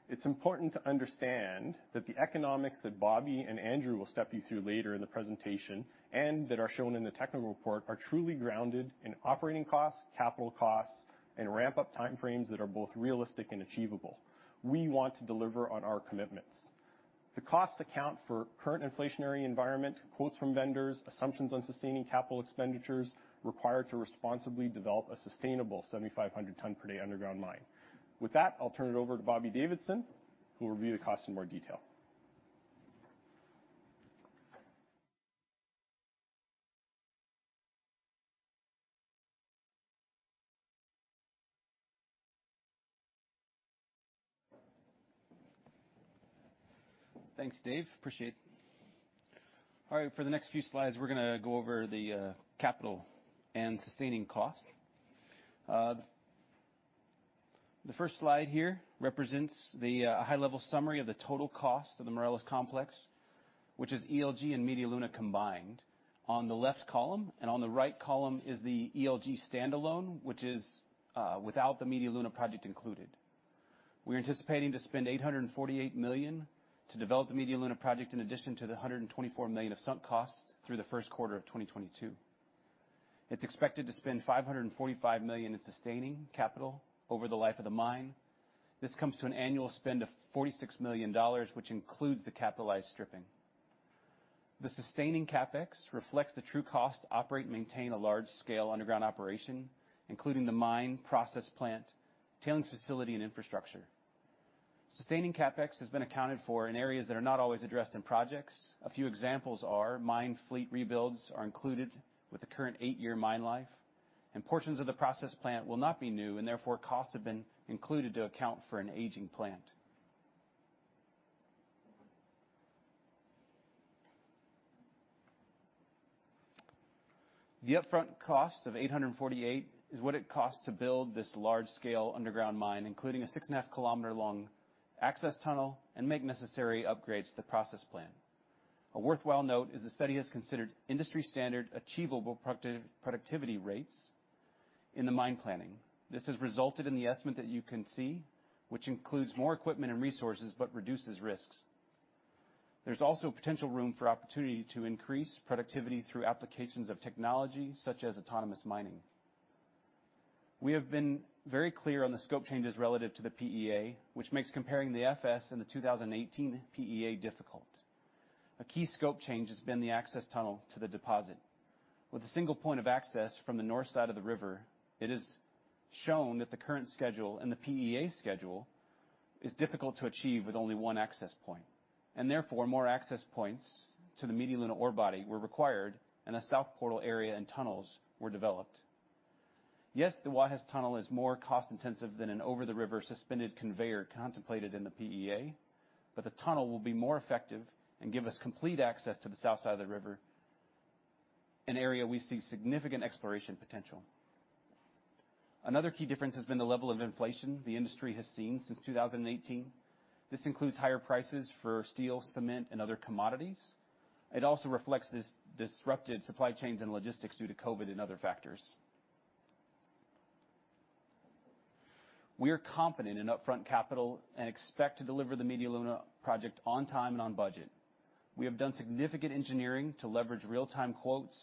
It's important to understand that the economics that Bobby and Andrew will step you through later in the presentation, and that are shown in the technical report, are truly grounded in operating costs, capital costs, and ramp-up time frames that are both realistic and achievable. We want to deliver on our commitments. The costs account for the current inflationary environment, quotes from vendors, assumptions on sustaining capital expenditures required to responsibly develop a sustainable 7,500 ton per day underground mine. With that, I'll turn it over to Bobby Davidson, who will review the costs in more detail. Thanks, Dave. Appreciate it. All right, for the next few slides, we're gonna go over the capital and sustaining costs. The first slide here represents the high-level summary of the total cost of the Morelos Complex, which is ELG and Media Luna combined on the left column, and on the right column is the ELG standalone, which is without the Media Luna project included. We're anticipating to spend $848 million to develop the Media Luna project in addition to the $124 million of sunk costs through the first quarter of 2022. It's expected to spend $545 million in sustaining capital over the life of the mine. This comes to an annual spend of $46 million, which includes the capitalized stripping. The sustaining CapEx reflects the true cost to operate and maintain a large-scale underground operation, including the mine, process plant, tailings facility, and infrastructure. Sustaining CapEx has been accounted for in areas that are not always addressed in projects. A few examples are mine fleet rebuilds are included with the current 8-year mine life, and portions of the process plant will not be new, and therefore costs have been included to account for an aging plant. The upfront cost of $848 million is what it costs to build this large-scale underground mine, including a 6.5-kilometer-long access tunnel, and make necessary upgrades to the process plant. A worthwhile note is the study has considered industry standard achievable productivity rates in the mine planning. This has resulted in the estimate that you can see, which includes more equipment and resources but reduces risks. There's also potential room for opportunity to increase productivity through applications of technology such as autonomous mining. We have been very clear on the scope changes relative to the PEA, which makes comparing the FS and the 2018 PEA difficult. A key scope change has been the access tunnel to the deposit. With a single point of access from the north side of the river, it is shown that the current schedule and the PEA schedule is difficult to achieve with only one access point, and therefore more access points to the Media Luna ore body were required, and a south portal area and tunnels were developed. Yes, the Guajes tunnel is more cost-intensive than an over-the-river suspended conveyor contemplated in the PEA, but the tunnel will be more effective and give us complete access to the south side of the river, an area we see significant exploration potential. Another key difference has been the level of inflation the industry has seen since 2018. This includes higher prices for steel, cement, and other commodities. It also reflects these disrupted supply chains and logistics due to COVID and other factors. We are confident in upfront capital and expect to deliver the Media Luna project on time and on budget. We have done significant engineering to leverage real-time quotes,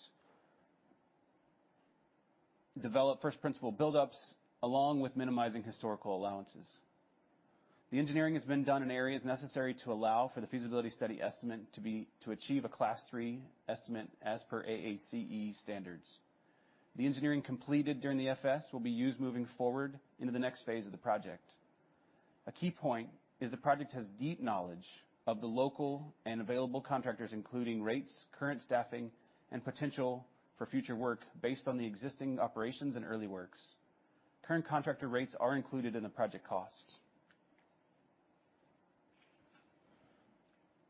develop first principle buildups, along with minimizing historical allowances. The engineering has been done in areas necessary to allow for the feasibility study estimate to achieve a class three estimate as per AACE standards. The engineering completed during the FS will be used moving forward into the next phase of the project. A key point is the project has deep knowledge of the local and available contractors, including rates, current staffing, and potential for future work based on the existing operations and early works. Current contractor rates are included in the project costs.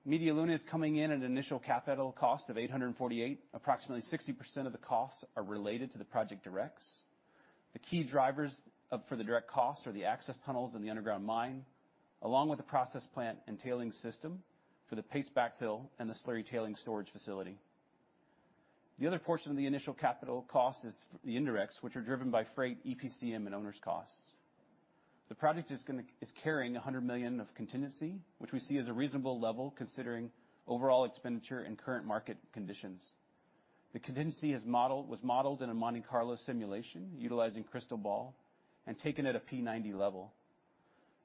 Media Luna is coming in at an initial capital cost of $848 million. Approximately 60% of the costs are related to the project directs. The key drivers for the direct costs are the access tunnels in the underground mine, along with the process plant and tailings system for the paste backfill and the slurry tailings storage facility. The other portion of the initial capital cost is the indirects, which are driven by freight, EPCM, and owners costs. The project is carrying $100 million of contingency, which we see as a reasonable level considering overall expenditure and current market conditions. The contingency was modeled in a Monte Carlo simulation utilizing Crystal Ball and taken at a P90 level.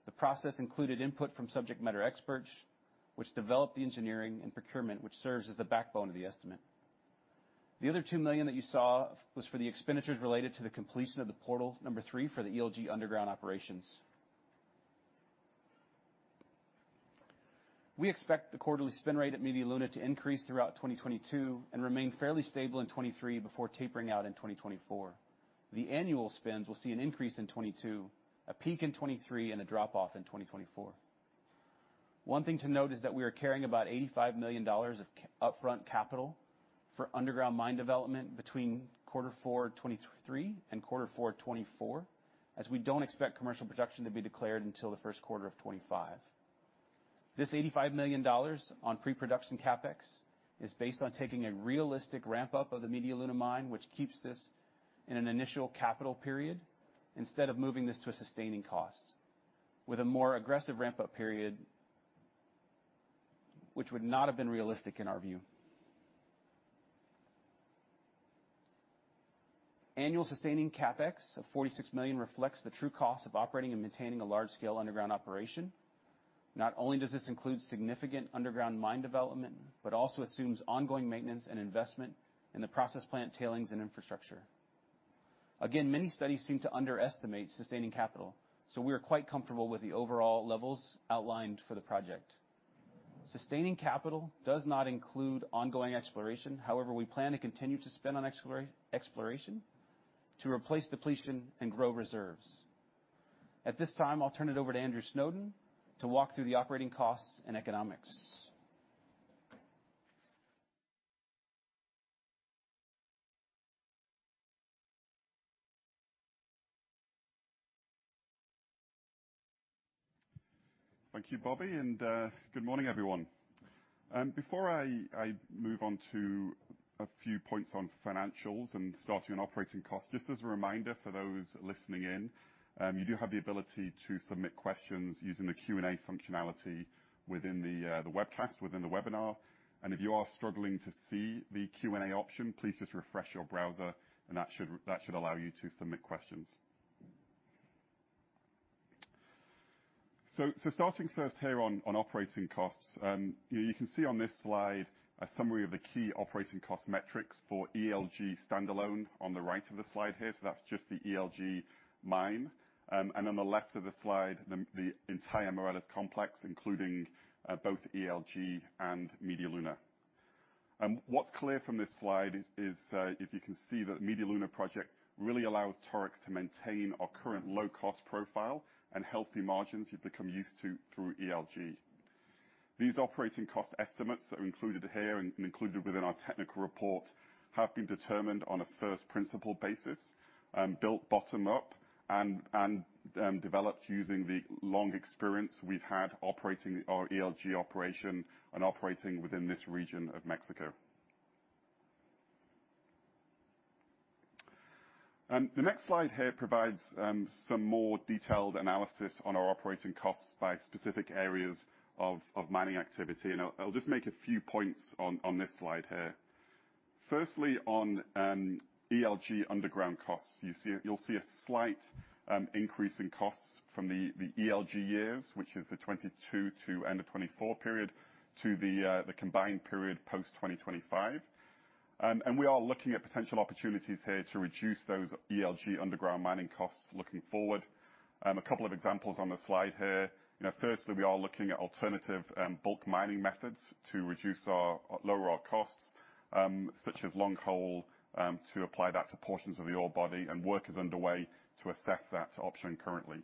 The process included input from subject matter experts, which developed the engineering and procurement, which serves as the backbone of the estimate. The other $2 million that you saw was for the expenditures related to the completion of the portal number three for the ELG underground operations. We expect the quarterly spend rate at Media Luna to increase throughout 2022 and remain fairly stable in 2023 before tapering out in 2024. The annual spends will see an increase in 2022, a peak in 2023, and a drop-off in 2024. One thing to note is that we are carrying about $85 million of upfront capital for underground mine development between quarter four 2023 and quarter four 2024, as we don't expect commercial production to be declared until the first quarter of 2025. This $85 million on pre-production CapEx is based on taking a realistic ramp-up of the Media Luna mine, which keeps this in an initial capital period instead of moving this to a sustaining cost with a more aggressive ramp-up period, which would not have been realistic in our view. Annual sustaining CapEx of $46 million reflects the true cost of operating and maintaining a large-scale underground operation. Not only does this include significant underground mine development, but also assumes ongoing maintenance and investment in the process plant tailings and infrastructure. Again, many studies seem to underestimate sustaining capital, so we are quite comfortable with the overall levels outlined for the project. Sustaining capital does not include ongoing exploration. However, we plan to continue to spend on exploration to replace depletion and grow reserves. At this time, I'll turn it over to Andrew Snowden to walk through the operating costs and economics. Thank you, Bobby. Good morning, everyone. Before I move on to a few points on financials and starting on operating costs, just as a reminder for those listening in, you do have the ability to submit questions using the Q&A functionality within the webcast, within the webinar. If you are struggling to see the Q&A option, please just refresh your browser, and that should allow you to submit questions. Starting first here on operating costs. You know, you can see on this slide a summary of the key operating cost metrics for ELG standalone on the right of the slide here. That's just the ELG mine. And on the left of the slide, the entire Morelos Complex, including both ELG and Media Luna. What's clear from this slide is you can see that Media Luna project really allows Torex to maintain our current low-cost profile and healthy margins you've become used to through ELG. These operating cost estimates that are included here and included within our technical report have been determined on a first-principle basis and built bottom up and developed using the long experience we've had operating our ELG operation and operating within this region of Mexico. The next slide here provides some more detailed analysis on our operating costs by specific areas of mining activity, and I'll just make a few points on this slide here. Firstly, on ELG underground costs. You'll see a slight increase in costs from the ELG years, which is the 2022 to end of 2024 period to the combined period post 2025. We are looking at potential opportunities here to reduce those ELG underground mining costs looking forward. A couple of examples on the slide here. You know, firstly, we are looking at alternative bulk mining methods to lower our costs, such as longhole to apply that to portions of the ore body, and work is underway to assess that option currently.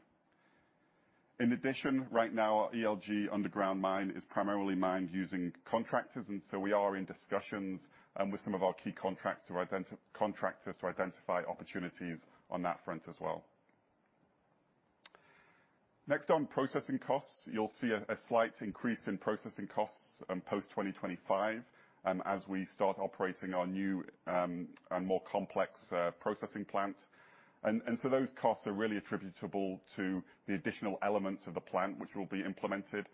In addition, right now our ELG underground mine is primarily mined using contractors, and so we are in discussions with some of our key contractors to identify opportunities on that front as well. Next, on processing costs. You'll see a slight increase in processing costs post 2025, as we start operating our new and more complex processing plant. Those costs are really attributable to the additional elements of the plant which will be implemented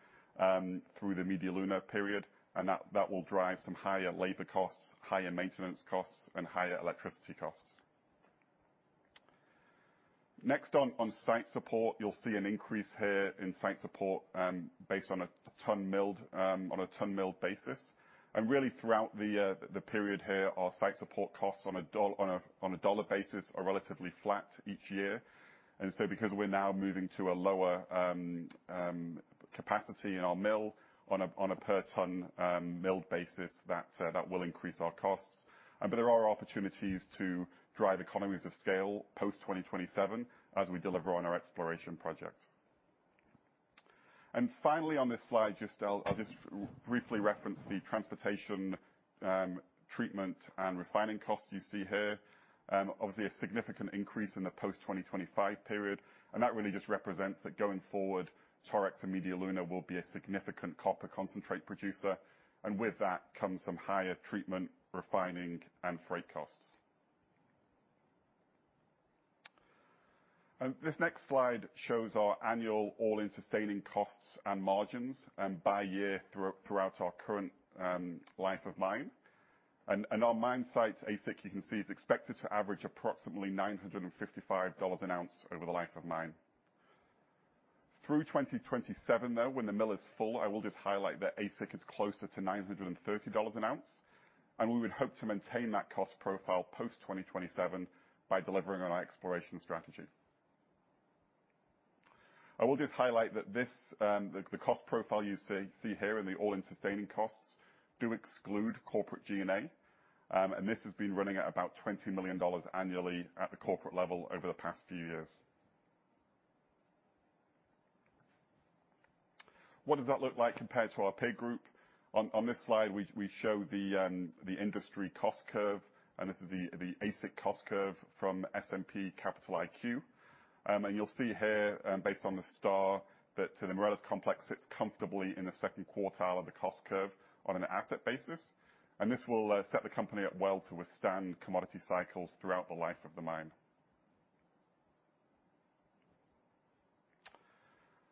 through the Media Luna period, and that will drive some higher labor costs, higher maintenance costs, and higher electricity costs. Next on site support. You'll see an increase here in site support based on a ton milled basis. Really throughout the period here, our site support costs on a dollar basis are relatively flat each year. Because we're now moving to a lower capacity in our mill on a per ton milled basis, that will increase our costs, but there are opportunities to drive economies of scale post 2027 as we deliver on our exploration project. Finally on this slide, just I'll briefly reference the transportation, treatment and refining costs you see here. Obviously a significant increase in the post-2025 period, and that really just represents that going forward, Torex and Media Luna will be a significant copper concentrate producer, and with that comes some higher treatment, refining and freight costs. This next slide shows our annual all-in sustaining costs and margins by year throughout our current life of mine. Our mine site AISC, you can see, is expected to average approximately $955 an ounce over the life of mine. Through 2027 though, when the mill is full, I will just highlight that AISC is closer to $930 an ounce, and we would hope to maintain that cost profile post-2027 by delivering on our exploration strategy. I will just highlight that this, the cost profile you see here in the all-in sustaining costs do exclude corporate G&A, and this has been running at about $20 million annually at the corporate level over the past few years. What does that look like compared to our peer group? On this slide, we show the industry cost curve, and this is the AISC cost curve from S&P Capital IQ. You'll see here, based on the S&P, that the Morelos Complex sits comfortably in the second quartile of the cost curve on an asset basis, and this will set the company up well to withstand commodity cycles throughout the life of the mine.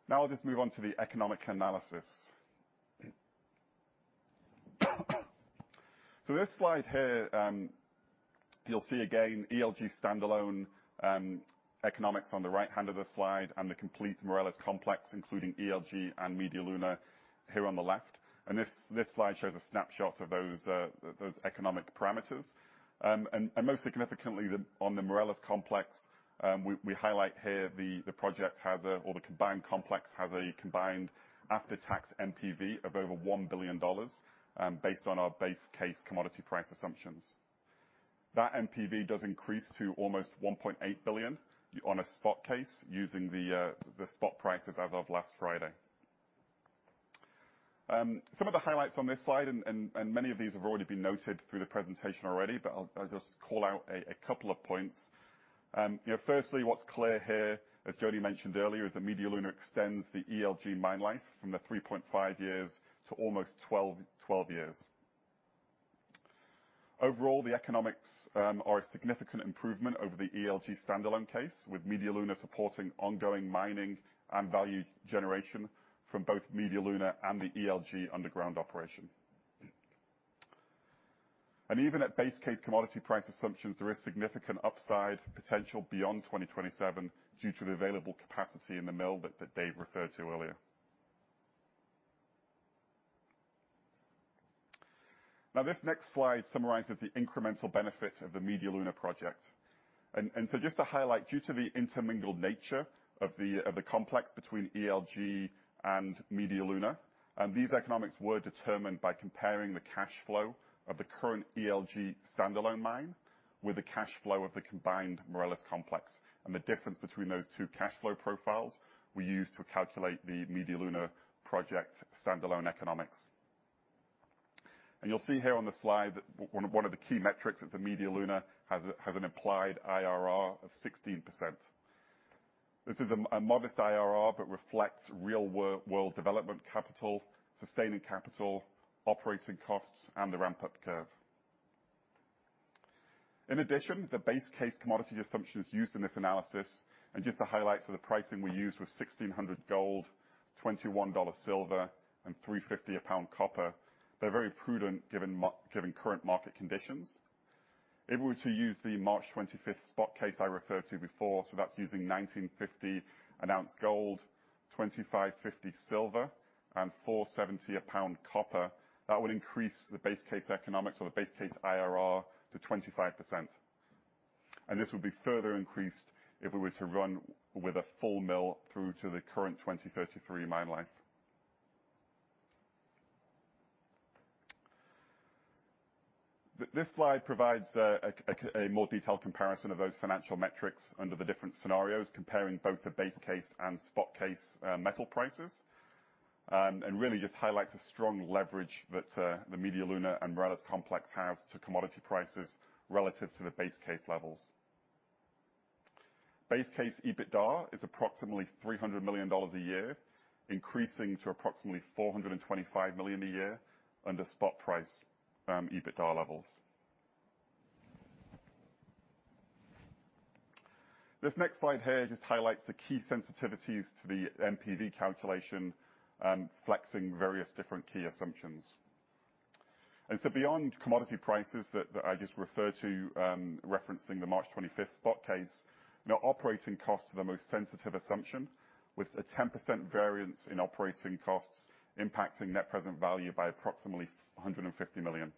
Now I'll just move on to the economic analysis. This slide here, you'll see again ELG standalone economics on the right-hand of the slide and the complete Morelos Complex, including ELG and Media Luna here on the left. This slide shows a snapshot of those economic parameters. Most significantly on the Morelos Complex, we highlight here that the combined complex has a combined after-tax NPV of over $1 billion, based on our base case commodity price assumptions. That NPV does increase to almost $1.8 billion on a spot case using the spot prices as of last Friday. Some of the highlights on this slide, and many of these have already been noted through the presentation already, but I'll just call out a couple of points. You know, firstly, what's clear here, as Jody mentioned earlier, is that Media Luna extends the ELG mine life from 3.5 years to almost 12 years. Overall, the economics are a significant improvement over the ELG standalone case, with Media Luna supporting ongoing mining and value generation from both Media Luna and the ELG underground operation. Even at base case commodity price assumptions, there is significant upside potential beyond 2027 due to the available capacity in the mill that Dave referred to earlier. Now, this next slide summarizes the incremental benefit of the Media Luna project. Just to highlight, due to the intermingled nature of the complex between ELG and Media Luna, these economics were determined by comparing the cash flow of the current ELG standalone mine with the cash flow of the combined Morelos Complex. The difference between those two cash flow profiles we used to calculate the Media Luna project standalone economics. You'll see here on the slide that one of the key metrics that the Media Luna has an implied IRR of 16%. This is a modest IRR but reflects real world development capital, sustaining capital, operating costs, and the ramp-up curve. In addition, the base case commodity assumptions used in this analysis, and just the highlights of the pricing we used was $1,600 gold, $21 silver, and $3.50 a pound copper. They're very prudent given current market conditions. If we were to use the March 25 spot case I referred to before, so that's using $1,950 an ounce gold, $25.50 silver, and $4.70 a pound copper, that would increase the base case economics or the base case IRR to 25%. This would be further increased if we were to run with a full mill throughput to the current 2033 mine life. This slide provides a more detailed comparison of those financial metrics under the different scenarios, comparing both the base case and spot case metal prices. Really just highlights the strong leverage that the Media Luna and Morelos Complex has to commodity prices relative to the base case levels. Base case EBITDA is approximately $300 million a year, increasing to approximately $425 million a year under spot price EBITDA levels. This next slide here just highlights the key sensitivities to the NPV calculation, flexing various different key assumptions. Beyond commodity prices that I just referred to, referencing the March 25 spot case, operating costs are the most sensitive assumption, with a 10% variance in operating costs impacting net present value by approximately $150 million.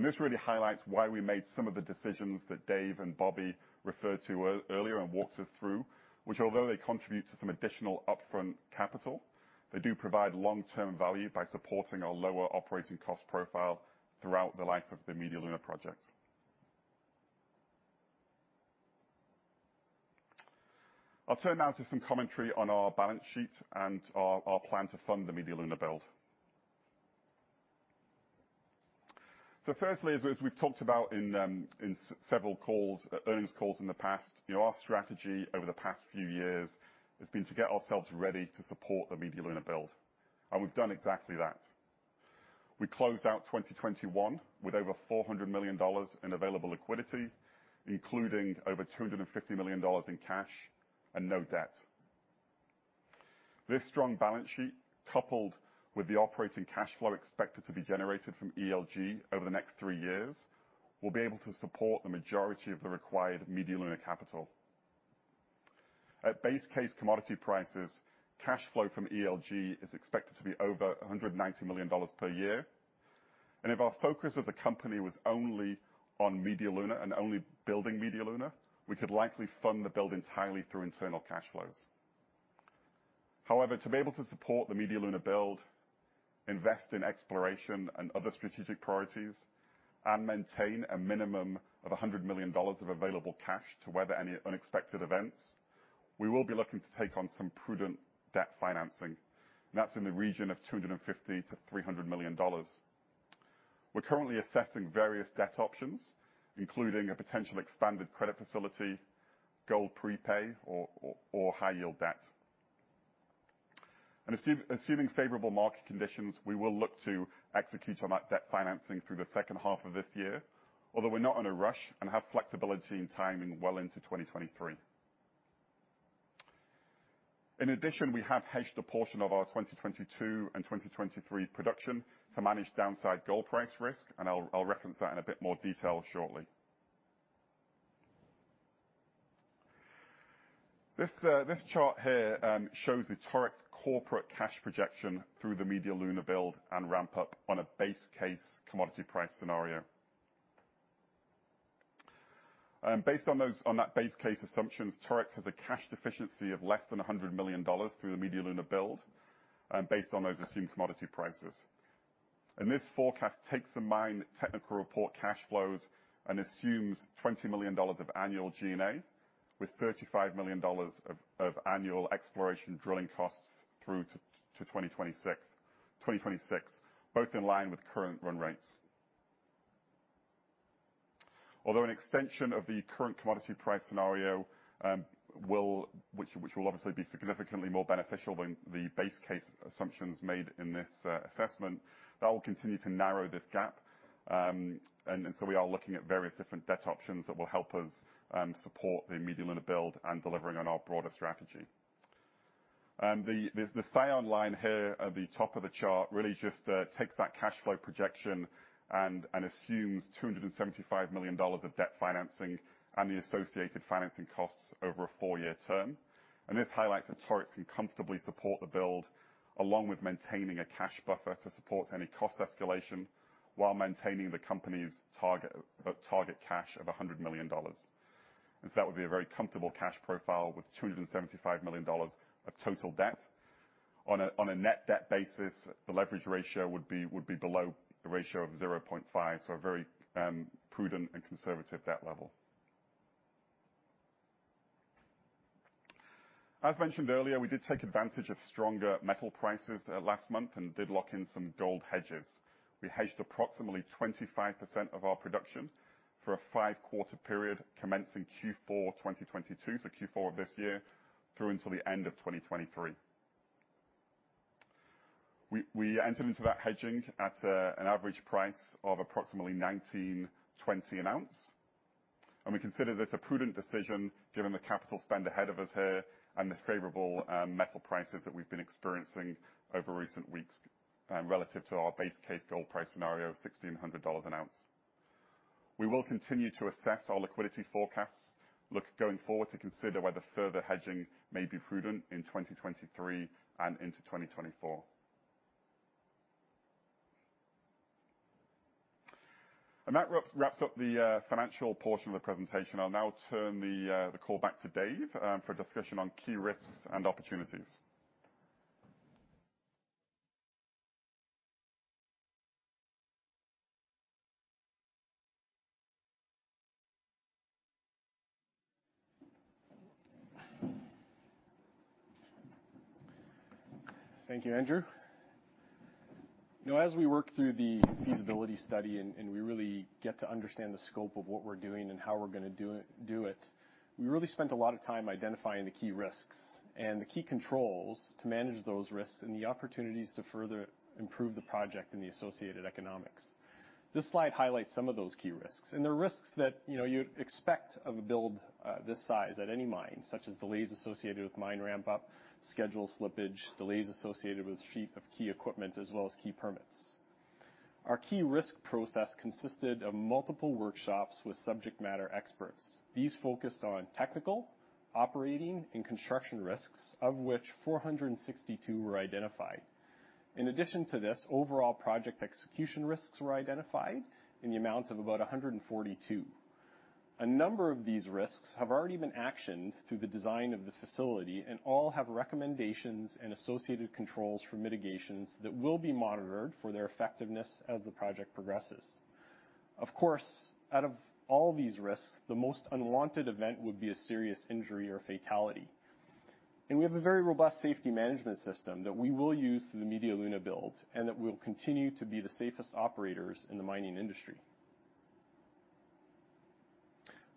This really highlights why we made some of the decisions that Dave and Bobby referred to earlier and walked us through, which although they contribute to some additional upfront capital, they do provide long-term value by supporting our lower operating cost profile throughout the life of the Media Luna project. I'll turn now to some commentary on our balance sheet and our plan to fund the Media Luna build. Firstly, as we've talked about in several earnings calls in the past, you know, our strategy over the past few years has been to get ourselves ready to support the Media Luna build, and we've done exactly that. We closed out 2021 with over $400 million in available liquidity, including over $250 million in cash and no debt. This strong balance sheet, coupled with the operating cash flow expected to be generated from ELG over the next three years, will be able to support the majority of the required Media Luna capital. At base case commodity prices, cash flow from ELG is expected to be over $190 million per year. If our focus as a company was only on Media Luna and only building Media Luna, we could likely fund the build entirely through internal cash flows. However, to be able to support the Media Luna build, invest in exploration and other strategic priorities, and maintain a minimum of $100 million of available cash to weather any unexpected events, we will be looking to take on some prudent debt financing. That's in the region of $250 million-$300 million. We're currently assessing various debt options, including a potential expanded credit facility, gold prepay or high-yield debt. Assuming favorable market conditions, we will look to execute on that debt financing through the second half of this year, although we're not in a rush and have flexibility in timing well into 2023. In addition, we have hedged a portion of our 2022 and 2023 production to manage downside gold price risk, and I'll reference that in a bit more detail shortly. This chart here shows the Torex corporate cash projection through the Media Luna build and ramp up on a base case commodity price scenario. Based on that base case assumptions, Torex has a cash deficiency of less than $100 million through the Media Luna build and based on those assumed commodity prices. This forecast takes the mine technical report cash flows and assumes $20 million of annual G&A with $35 million of annual exploration drilling costs through to 2026, both in line with current run rates. Although an extension of the current commodity price scenario will obviously be significantly more beneficial than the base case assumptions made in this assessment, that will continue to narrow this gap. We are looking at various different debt options that will help us support the Media Luna build and delivering on our broader strategy. The cyan line here at the top of the chart really just takes that cash flow projection and assumes $275 million of debt financing and the associated financing costs over a four-year term. This highlights that Torex can comfortably support the build, along with maintaining a cash buffer to support any cost escalation while maintaining the company's target cash of $100 million. That would be a very comfortable cash profile, with $275 million of total debt. On a net debt basis, the leverage ratio would be below the ratio of 0.5, so a very prudent and conservative debt level. As mentioned earlier, we did take advantage of stronger metal prices last month and did lock in some gold hedges. We hedged approximately 25% of our production for a 5-quarter period commencing Q4 2022, so Q4 of this year, through until the end of 2023. We entered into that hedging at an average price of approximately $1,920 an ounce, and we consider this a prudent decision given the capital spend ahead of us here and the favorable metal prices that we've been experiencing over recent weeks, relative to our base case gold price scenario of $1,600 an ounce. We will continue to assess our liquidity forecasts, look going forward to consider whether further hedging may be prudent in 2023 and into 2024. That wraps up the financial portion of the presentation. I'll now turn the call back to Dave for a discussion on key risks and opportunities. Thank you, Andrew. You know, as we work through the feasibility study and we really get to understand the scope of what we're doing and how we're gonna do it, we really spent a lot of time identifying the key risks and the key controls to manage those risks and the opportunities to further improve the project and the associated economics. This slide highlights some of those key risks, and they're risks that, you know, you'd expect of a build this size at any mine, such as delays associated with mine ramp up, schedule slippage, delays associated with the shipment of key equipment, as well as key permits. Our key risk process consisted of multiple workshops with subject matter experts. These focused on technical, operating, and construction risks, of which 462 were identified. In addition to this, overall project execution risks were identified in the amount of about 142. A number of these risks have already been actioned through the design of the facility, and all have recommendations and associated controls for mitigations that will be monitored for their effectiveness as the project progresses. Of course, out of all these risks, the most unwanted event would be a serious injury or fatality. We have a very robust safety management system that we will use through the Media Luna build, and that we will continue to be the safest operators in the mining industry.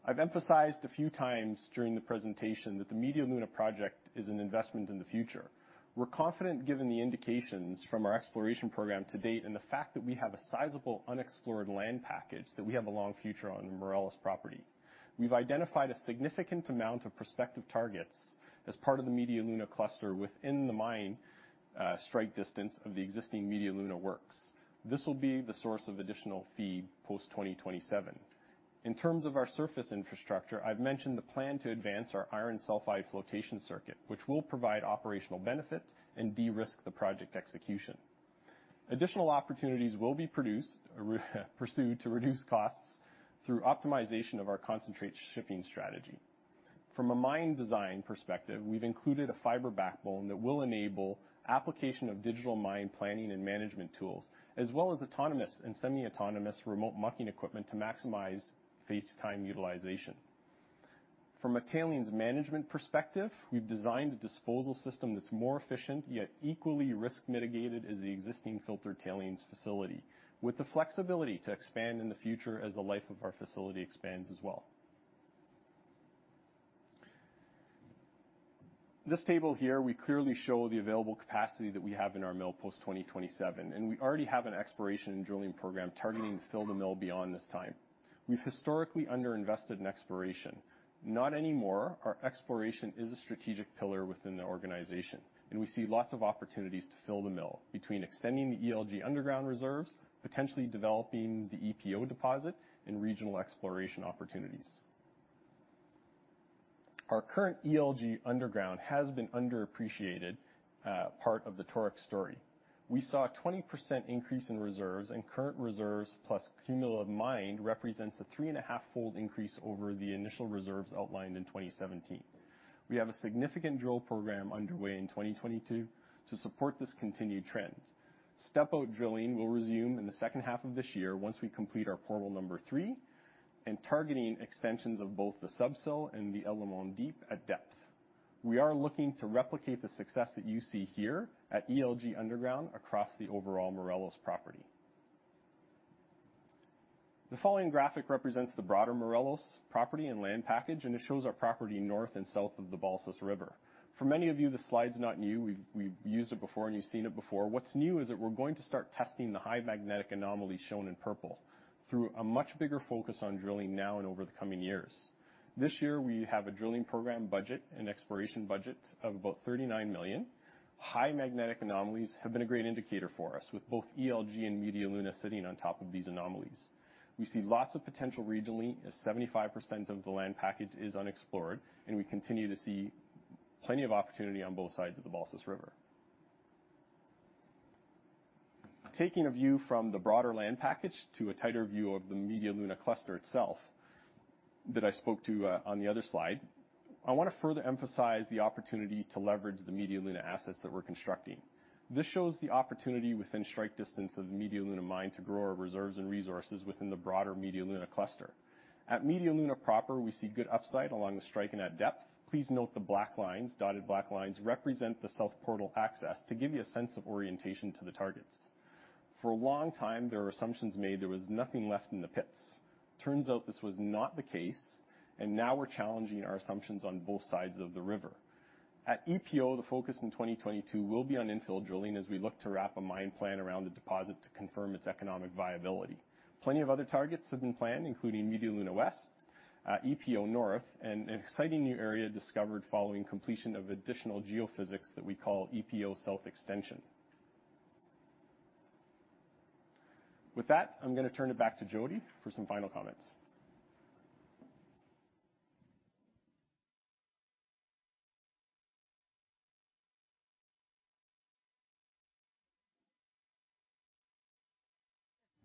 I've emphasized a few times during the presentation that the Media Luna project is an investment in the future. We're confident, given the indications from our exploration program to date, and the fact that we have a sizable unexplored land package, that we have a long future on the Morelos property. We've identified a significant amount of prospective targets as part of the Media Luna cluster within the mine, strike distance of the existing Media Luna works. This will be the source of additional feed post 2027. In terms of our surface infrastructure, I've mentioned the plan to advance our iron sulfide flotation circuit, which will provide operational benefits and de-risk the project execution. Additional opportunities will be pursued to reduce costs through optimization of our concentrate shipping strategy. From a mine design perspective, we've included a fiber backbone that will enable application of digital mine planning and management tools, as well as autonomous and semi-autonomous remote mucking equipment to maximize face time utilization. From a tailings management perspective, we've designed a disposal system that's more efficient, yet equally risk mitigated as the existing filter tailings facility, with the flexibility to expand in the future as the life of our facility expands as well. This table here, we clearly show the available capacity that we have in our mill post-2027, and we already have an exploration and drilling program targeting to fill the mill beyond this time. We've historically underinvested in exploration. Not anymore. Our exploration is a strategic pillar within the organization, and we see lots of opportunities to fill the mill between extending the ELG underground reserves, potentially developing the EPO deposit, and regional exploration opportunities. Our current ELG underground has been underappreciated, part of the Torex story. We saw a 20% increase in reserves, and current reserves plus cumulative mine represents a 3.5-fold increase over the initial reserves outlined in 2017. We have a significant drill program underway in 2022 to support this continued trend. Step-out drilling will resume in the second half of this year once we complete our portal three and targeting extensions of both the Sub-Sill and the El Limón Deep at depth. We are looking to replicate the success that you see here at ELG underground across the overall Morelos property. The following graphic represents the broader Morelos property and land package, and it shows our property north and south of the Balsas River. For many of you, this slide's not new. We've used it before, and you've seen it before. What's new is that we're going to start testing the high magnetic anomalies shown in purple through a much bigger focus on drilling now and over the coming years. This year, we have a drilling program budget and exploration budget of about $39 million. High magnetic anomalies have been a great indicator for us with both ELG and Media Luna sitting on top of these anomalies. We see lots of potential regionally as 75% of the land package is unexplored, and we continue to see plenty of opportunity on both sides of the Balsas River. Taking a view from the broader land package to a tighter view of the Media Luna cluster itself that I spoke to on the other slide, I wanna further emphasize the opportunity to leverage the Media Luna assets that we're constructing. This shows the opportunity within strike distance of the Media Luna mine to grow our reserves and resources within the broader Media Luna cluster. At Media Luna proper, we see good upside along the strike and at depth. Please note the black lines. Dotted black lines represent the south portal access to give you a sense of orientation to the targets. For a long time, there were assumptions made there was nothing left in the pits. Turns out this was not the case, and now we're challenging our assumptions on both sides of the river. At ELG, the focus in 2022 will be on infill drilling as we look to wrap a mine plan around the deposit to confirm its economic viability. Plenty of other targets have been planned, including Media Luna West, EPO North, and an exciting new area discovered following completion of additional geophysics that we call EPO South Extension. With that, I'm gonna turn it back to Jody for some final comments.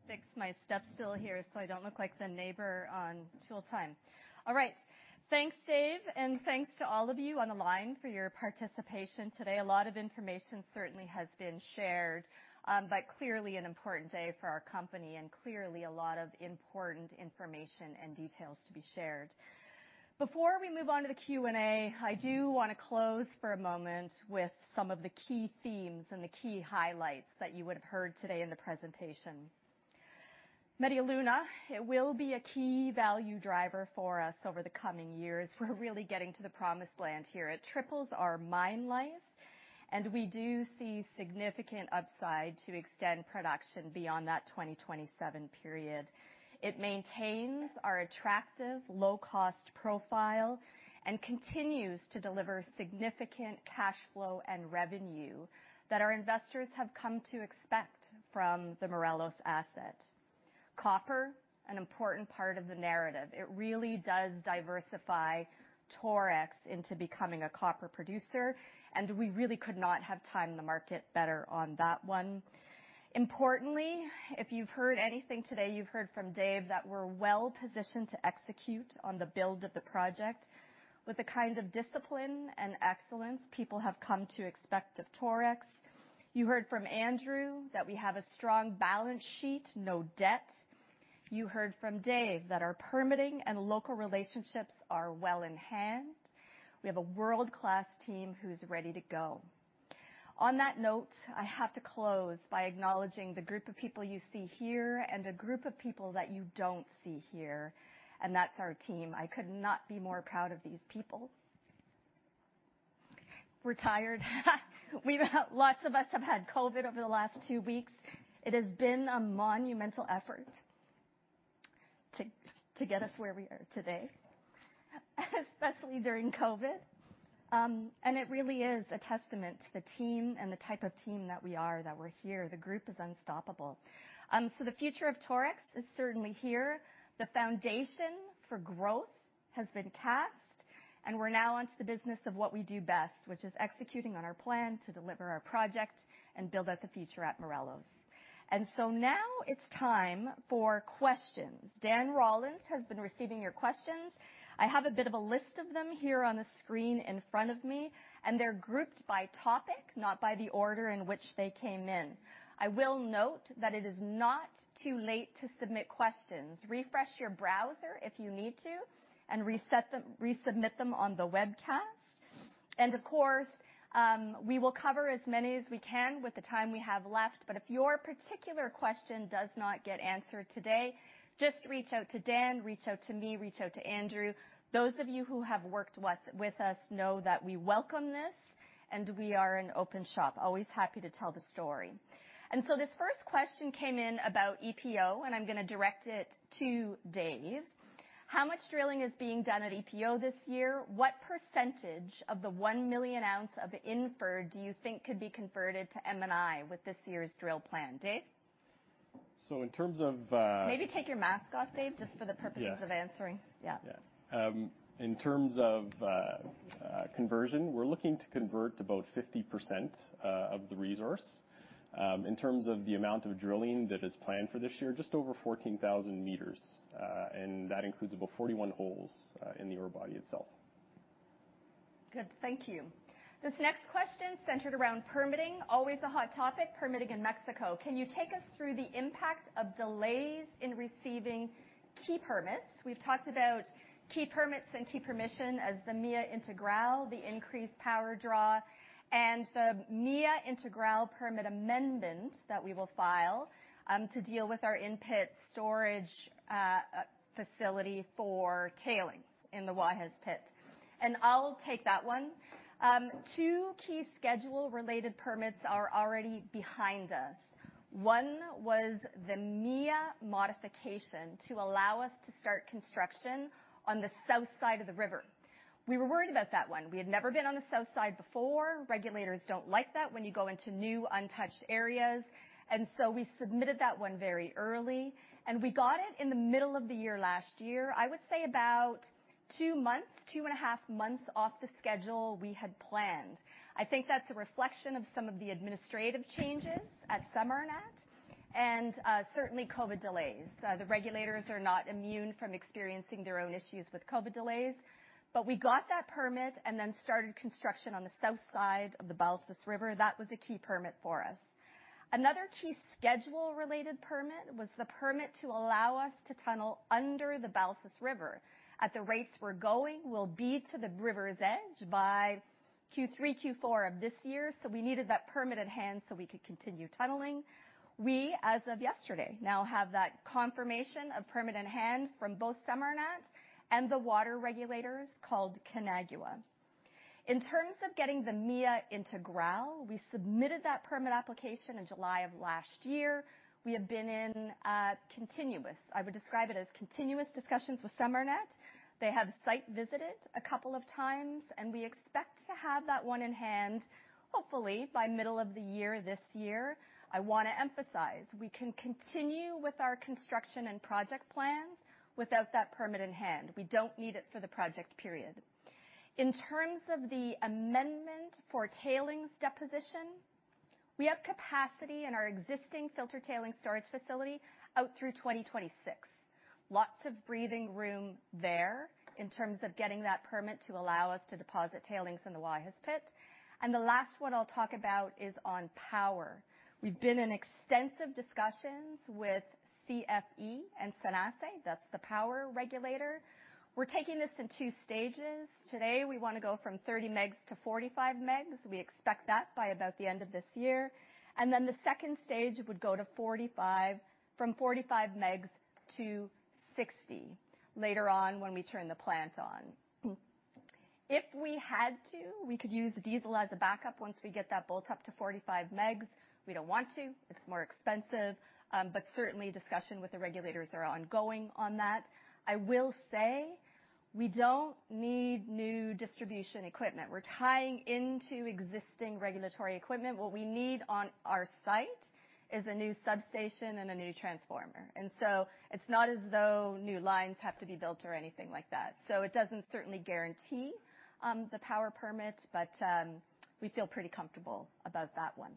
Fix my step stool here, so I don't look like the neighbor on Tool Time. All right, thanks, Dave, and thanks to all of you on the line for your participation today. A lot of information certainly has been shared, but clearly an important day for our company and clearly a lot of important information and details to be shared. Before we move on to the Q&A, I do wanna close for a moment with some of the key themes and the key highlights that you would have heard today in the presentation. Media Luna, it will be a key value driver for us over the coming years. We're really getting to the promised land here. It triples our mine life, and we do see significant upside to extend production beyond that 2027 period. It maintains our attractive low-cost profile and continues to deliver significant cash flow and revenue that our investors have come to expect from the Morelos asset. Copper, an important part of the narrative. It really does diversify Torex into becoming a copper producer, and we really could not have timed the market better on that one. Importantly, if you've heard anything today, you've heard from Dave that we're well-positioned to execute on the build of the project with the kind of discipline and excellence people have come to expect of Torex. You heard from Andrew that we have a strong balance sheet, no debt. You heard from Dave that our permitting and local relationships are well in hand. We have a world-class team who's ready to go. On that note, I have to close by acknowledging the group of people you see here and a group of people that you don't see here, and that's our team. I could not be more proud of these people. We're tired. Lots of us have had COVID over the last two weeks. It has been a monumental effort to get us where we are today, especially during COVID, and it really is a testament to the team and the type of team that we are that we're here. The group is unstoppable. The future of Torex is certainly here. The foundation for growth has been cast, and we're now onto the business of what we do best, which is executing on our plan to deliver our project and build out the future at Morelos. Now it's time for questions. Dan Rollins has been receiving your questions. I have a bit of a list of them here on the screen in front of me, and they're grouped by topic, not by the order in which they came in. I will note that it is not too late to submit questions. Refresh your browser if you need to, and reset them, resubmit them on the webcast. Of course, we will cover as many as we can with the time we have left. If your particular question does not get answered today, just reach out to Dan, reach out to me, reach out to Andrew. Those of you who have worked once with us know that we welcome this, and we are an open shop. Always happy to tell the story. This first question came in about EPO, and I'm gonna direct it to Dave. How much drilling is being done at ELG this year? What percentage of the 1 million ounces of inferred do you think could be converted to M&I with this year's drill plan? Dave? In terms of. Maybe take your mask off, Dave, just for the purposes of answering. Yeah. Yeah. In terms of conversion, we're looking to convert about 50% of the resource. In terms of the amount of drilling that is planned for this year, just over 14,000 m, and that includes about 41 holes in the ore body itself. Good. Thank you. This next question centered around permitting. Always a hot topic, permitting in Mexico. Can you take us through the impact of delays in receiving key permits? We've talked about key permits and key permission as the MIA Integral, the increased power draw, and the MIA Integral permit amendment that we will file to deal with our in-pit storage facility for tailings in the Guajes pit. I'll take that one. Two key schedule related permits are already behind us. One was the MIA Modification to allow us to start construction on the south side of the river. We were worried about that one. We had never been on the south side before. Regulators don't like that when you go into new, untouched areas. We submitted that one very early, and we got it in the middle of the year last year, I would say about two months, two and a half months off the schedule we had planned. I think that's a reflection of some of the administrative changes at SEMARNAT and certainly COVID delays. The regulators are not immune from experiencing their own issues with COVID delays. We got that permit and then started construction on the south side of the Balsas River. That was a key permit for us. Another key schedule-related permit was the permit to allow us to tunnel under the Balsas River. At the rates we're going, we'll be to the river's edge by Q3, Q4 of this year, so we needed that permit in hand so we could continue tunneling. We, as of yesterday, now have that confirmation of permit in hand from both SEMARNAT and the water regulators called CONAGUA. In terms of getting the MIA Integral, we submitted that permit application in July of last year. We have been in continuous discussions with SEMARNAT. They have site visited a couple of times, and we expect to have that one in hand, hopefully by middle of the year this year. I wanna emphasize, we can continue with our construction and project plans without that permit in hand. We don't need it for the project period. In terms of the amendment for tailings deposition, we have capacity in our existing filter tailings storage facility out through 2026. Lots of breathing room there in terms of getting that permit to allow us to deposit tailings in the Guajes pit. The last one I'll talk about is on power. We've been in extensive discussions with CFE and CENACE, that's the power regulator. We're taking this in two stages. Today, we wanna go from 30 MW to 45 MW. We expect that by about the end of this year. The second stage would go from 45 MW to 60 MW later on when we turn the plant on. If we had to, we could use diesel as a backup once we get that built up to 45 MW. We don't want to. It's more expensive, but certainly discussion with the regulators are ongoing on that. I will say we don't need new distribution equipment. We're tying into existing regulatory equipment. What we need on our site is a new substation and a new transformer. It's not as though new lines have to be built or anything like that. It doesn't certainly guarantee the power permit, but we feel pretty comfortable about that one.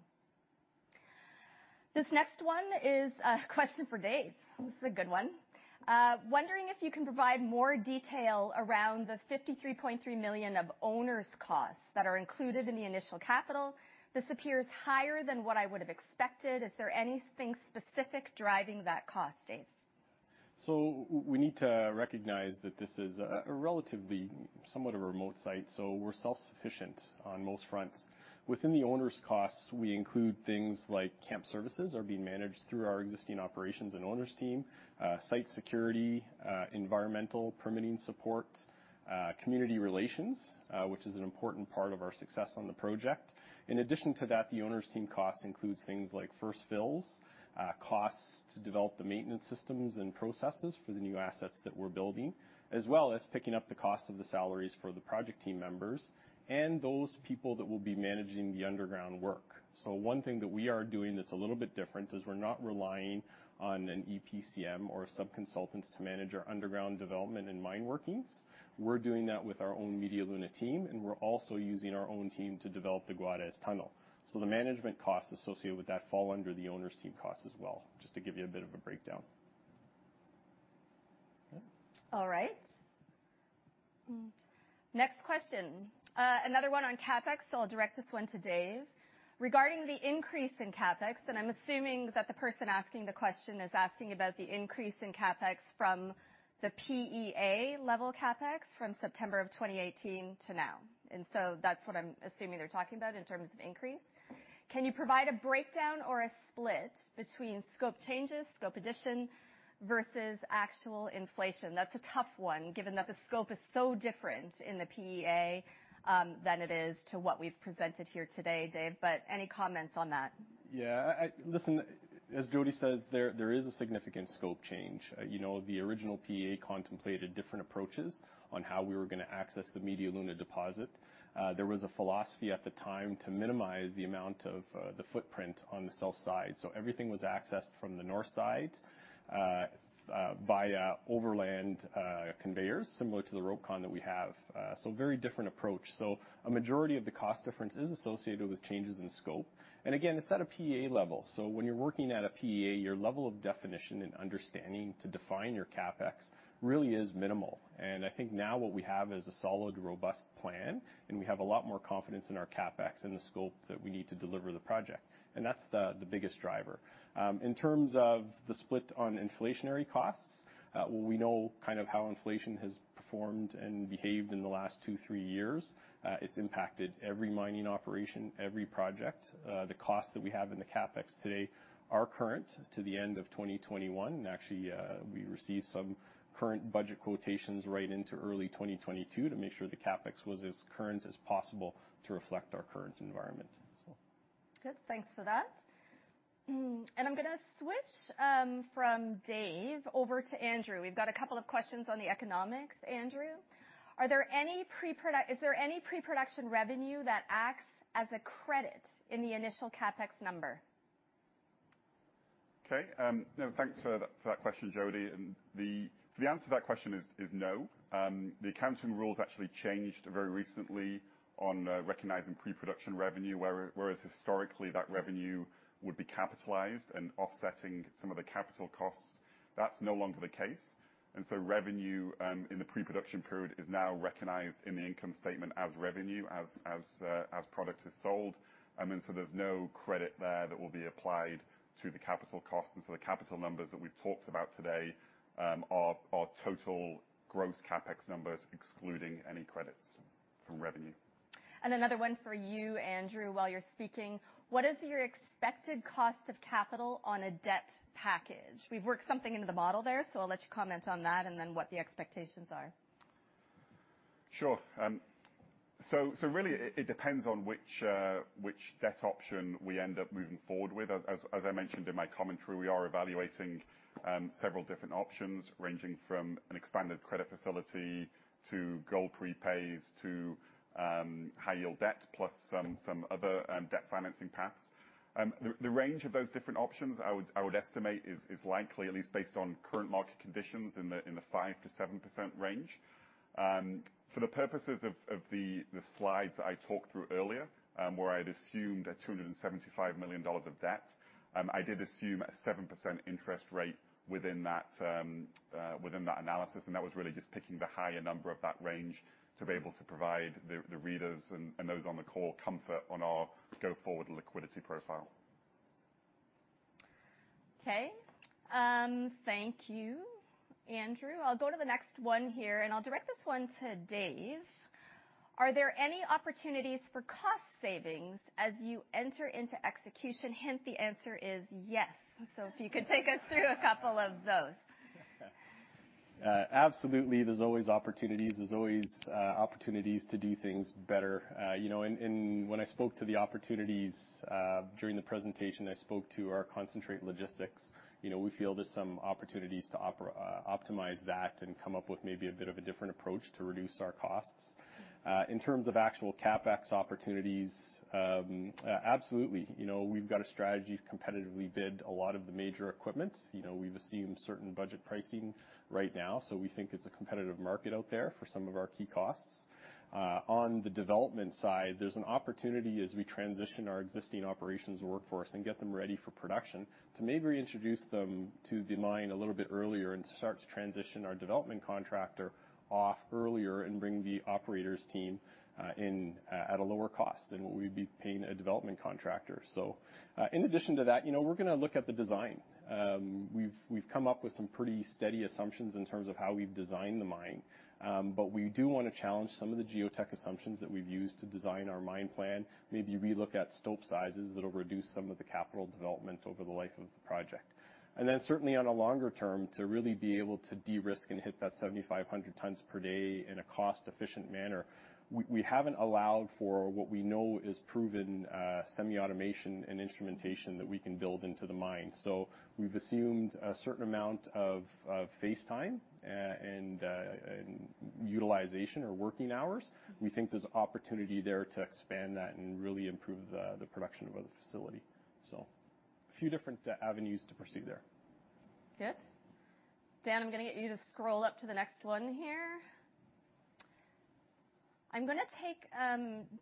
This next one is a question for Dave. This is a good one. Wondering if you can provide more detail around the $53.3 million of owner's costs that are included in the initial capital. This appears higher than what I would have expected. Is there anything specific driving that cost, Dave? We need to recognize that this is a relatively, somewhat of a remote site, so we're self-sufficient on most fronts. Within the owner's costs, we include things like camp services are being managed through our existing operations and owner's team, site security, environmental permitting support, community relations, which is an important part of our success on the project. In addition to that, the owner's team cost includes things like first fills, costs to develop the maintenance systems and processes for the new assets that we're building, as well as picking up the cost of the salaries for the project team members and those people that will be managing the underground work. One thing that we are doing that's a little bit different is we're not relying on an EPCM or subconsultants to manage our underground development and mine workings. We're doing that with our own Media Luna team, and we're also using our own team to develop the Guajes tunnel. The management costs associated with that fall under the owner's team costs as well, just to give you a bit of a breakdown. All right. Next question. Another one on CapEx, so I'll direct this one to Dave. Regarding the increase in CapEx, and I'm assuming that the person asking the question is asking about the increase in CapEx from the PEA level CapEx from September of 2018 to now. That's what I'm assuming they're talking about in terms of increase. Can you provide a breakdown or a split between scope changes, scope addition versus actual inflation? That's a tough one, given that the scope is so different in the PEA than it is to what we've presented here today, Dave, but any comments on that? Yeah. Listen, as Jody said, there is a significant scope change. You know, the original PEA contemplated different approaches on how we were gonna access the Media Luna deposit. There was a philosophy at the time to minimize the amount of the footprint on the south side. Everything was accessed from the north side via overland conveyors, similar to the RopeCon that we have. Very different approach. A majority of the cost difference is associated with changes in scope. Again, it's at a PEA level. When you're working at a PEA, your level of definition and understanding to define your CapEx really is minimal. I think now what we have is a solid, robust plan, and we have a lot more confidence in our CapEx and the scope that we need to deliver the project, and that's the biggest driver. In terms of the split on inflationary costs, we know kind of how inflation has performed and behaved in the last 2-3 years. It's impacted every mining operation, every project. The cost that we have in the CapEx today are current to the end of 2021. Actually, we received some current budget quotations right into early 2022 to make sure the CapEx was as current as possible to reflect our current environment. Good. Thanks for that. I'm gonna switch from Dave over to Andrew. We've got a couple of questions on the economics, Andrew. Is there any pre-production revenue that acts as a credit in the initial CapEx number? Okay. No, thanks for that question, Jody. So the answer to that question is no. The accounting rules actually changed very recently on recognizing pre-production revenue, whereas historically, that revenue would be capitalized and offsetting some of the capital costs. That's no longer the case. Revenue in the pre-production period is now recognized in the income statement as revenue as product is sold. There's no credit there that will be applied to the capital costs. The capital numbers that we've talked about today are total gross CapEx numbers, excluding any credits from revenue. Another one for you, Andrew, while you're speaking. What is your expected cost of capital on a debt package? We've worked something into the model there, so I'll let you comment on that and then what the expectations are. Sure. Really it depends on which debt option we end up moving forward with. As I mentioned in my commentary, we are evaluating several different options, ranging from an expanded credit facility to gold prepays to high yield debt, plus some other debt financing paths. The range of those different options I would estimate is likely, at least based on current market conditions, in the 5%-7% range. For the purposes of the slides I talked through earlier, where I had assumed a $275 million of debt, I did assume a 7% interest rate within that analysis, and that was really just picking the higher number of that range to be able to provide the readers and those on the call comfort on our go-forward liquidity profile. Okay. Thank you, Andrew. I'll go to the next one here, and I'll direct this one to Dave. Are there any opportunities for cost savings as you enter into execution? Hint, the answer is yes. If you could take us through a couple of those. Absolutely there's always opportunities. There's always opportunities to do things better. You know, when I spoke to the opportunities during the presentation, I spoke to our concentrate logistics. You know, we feel there's some opportunities to optimize that and come up with maybe a bit of a different approach to reduce our costs. In terms of actual CapEx opportunities, absolutely. You know, we've got a strategy to competitively bid a lot of the major equipment. You know, we've assumed certain budget pricing right now, so we think it's a competitive market out there for some of our key costs. On the development side, there's an opportunity as we transition our existing operations workforce and get them ready for production to maybe introduce them to the mine a little bit earlier and start to transition our development contractor off earlier and bring the operators team in at a lower cost than what we'd be paying a development contractor. In addition to that, you know, we're gonna look at the design. We've come up with some pretty steady assumptions in terms of how we've designed the mine. We do wanna challenge some of the geotech assumptions that we've used to design our mine plan. Maybe relook at stope sizes that'll reduce some of the capital development over the life of the project. Certainly on a longer term, to really be able to de-risk and hit that 7,500 tons per day in a cost-efficient manner, we haven't allowed for what we know is proven semi-automation and instrumentation that we can build into the mine. We've assumed a certain amount of face time and utilization or working hours. We think there's opportunity there to expand that and really improve the production of the facility. A few different avenues to pursue there. Good. Dan, I'm gonna get you to scroll up to the next one here. I'm gonna take,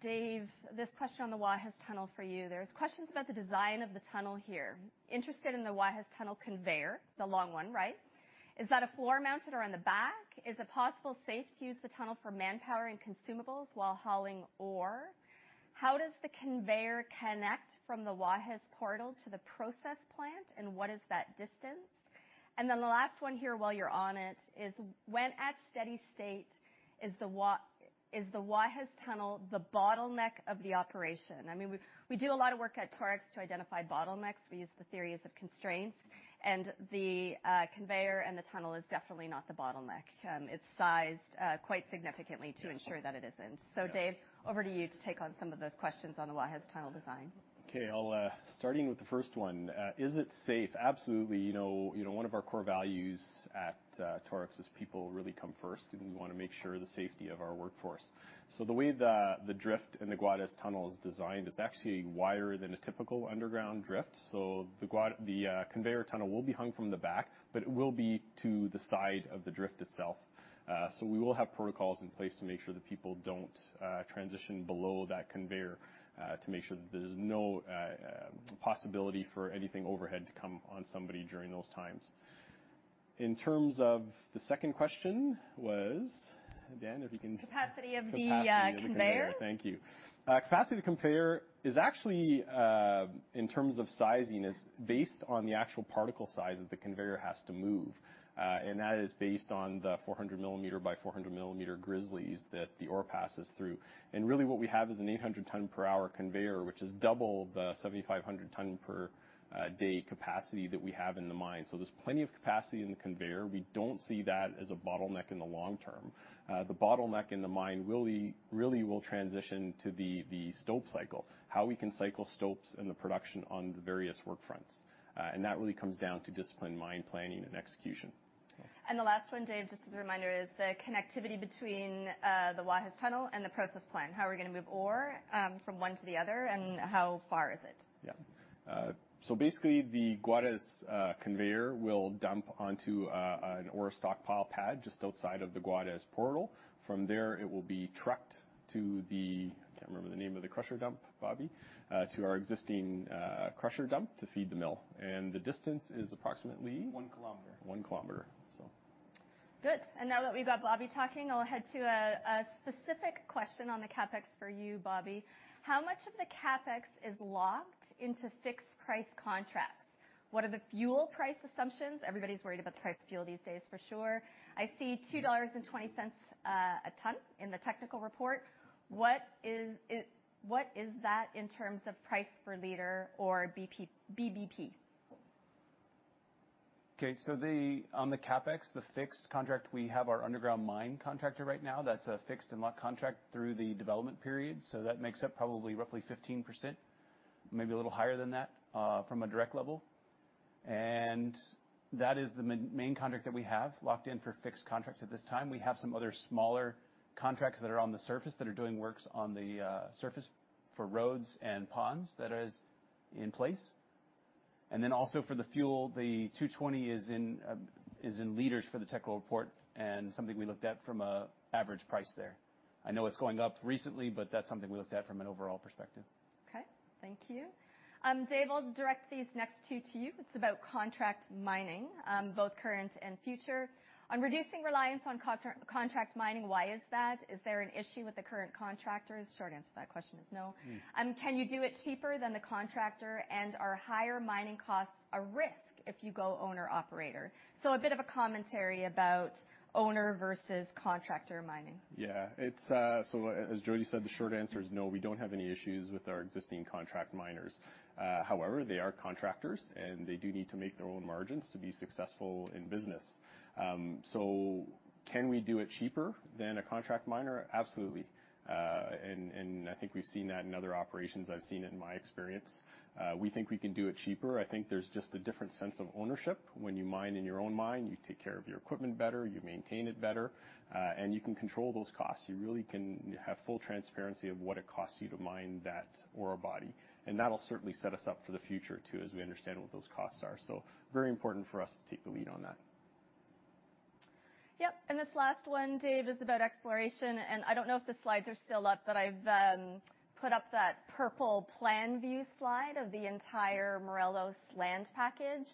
Dave, this question on the Guajes tunnel for you. There's questions about the design of the tunnel here. Interested in the Guajes tunnel conveyor, the long one, right? Is that a floor mounted or on the back? Is it possible safe to use the tunnel for manpower and consumables while hauling ore? How does the conveyor connect from the Guajes portal to the process plant, and what is that distance? And then the last one here, while you're on it, is when at steady state, is the Guajes tunnel the bottleneck of the operation? I mean, we do a lot of work at Torex to identify bottlenecks. We use the theories of constraints. The conveyor and the tunnel is definitely not the bottleneck. It's sized quite significantly to ensure that it isn't. Yeah. Dave, over to you to take on some of those questions on the Guajes tunnel design. Okay. Starting with the first one, is it safe? Absolutely. You know, one of our core values at Torex is people really come first, and we wanna make sure the safety of our workforce. The way the drift in the Guajes tunnel is designed, it's actually wider than a typical underground drift. The conveyor tunnel will be hung from the back, but it will be to the side of the drift itself. We will have protocols in place to make sure that people don't transition below that conveyor, to make sure that there's no possibility for anything overhead to come on somebody during those times. In terms of the second question was, Dan, if you can- Capacity of the conveyor. Capacity of the conveyor. Thank you, the capacity of the conveyor is actually, in terms of sizing, based on the actual particle size that the conveyor has to move. And that is based on the 400-mm by 400-mm grizzlies that the ore passes through. Really what we have is an 800-ton-per-hour conveyor, which is double the 7,500-ton-per-day capacity that we have in the mine. There's plenty of capacity in the conveyor. We don't see that as a bottleneck in the long term. The bottleneck in the mine really will transition to the stope cycle, how we can cycle stopes and the production on the various work fronts. That really comes down to disciplined mine planning and execution. The last one, Dave, just as a reminder, is the connectivity between the Guajes tunnel and the process plant. How we're gonna move ore from one to the other, and how far is it? Yeah. Basically, the Guajes conveyor will dump onto an ore stockpile pad just outside of the Guajes Portal. From there, it will be trucked to our existing crusher dump to feed the mill. I can't remember the name of the crusher dump, Bobby. The distance is approximately? 1 km. 1 km, so. Good. Now that we've got Bobby talking, I'll head to a specific question on the CapEx for you, Bobby. How much of the CapEx is locked into fixed price contracts? What are the fuel price assumptions? Everybody's worried about the price of fuel these days for sure. I see $2.20 a ton in the technical report. What is that in terms of price per liter or BBP? Okay. On the CapEx, the fixed contract, we have our underground mine contractor right now. That's a fixed and locked contract through the development period. That makes up probably roughly 15%, maybe a little higher than that, from a direct level. That is the main contract that we have locked in for fixed contracts at this time. We have some other smaller contracts that are on the surface that are doing works on the surface for roads and ponds that is in place. Then also for the fuel, the 220 is in liters for the technical report, and something we looked at from an average price there. I know it's going up recently, but that's something we looked at from an overall perspective. Okay. Thank you. Dave, I'll direct these next two to you. It's about contract mining, both current and future. On reducing reliance on contract mining, why is that? Is there an issue with the current contractors? Short answer to that question is no. Mm. Can you do it cheaper than the contractor, and are higher mining costs a risk if you go owner/operator? A bit of a commentary about owner versus contractor mining. Yeah. It's as Jody said, the short answer is no, we don't have any issues with our existing contract miners. However, they are contractors, and they do need to make their own margins to be successful in business. Can we do it cheaper than a contract miner? Absolutely. I think we've seen that in other operations. I've seen it in my experience. We think we can do it cheaper. I think there's just a different sense of ownership when you mine in your own mine. You take care of your equipment better, you maintain it better, and you can control those costs. You really can have full transparency of what it costs you to mine that ore body. That'll certainly set us up for the future too, as we understand what those costs are. Very important for us to take the lead on that. Yep. This last one, Dave, is about exploration, and I don't know if the slides are still up, but I've put up that purple plan view slide of the entire Morelos land package.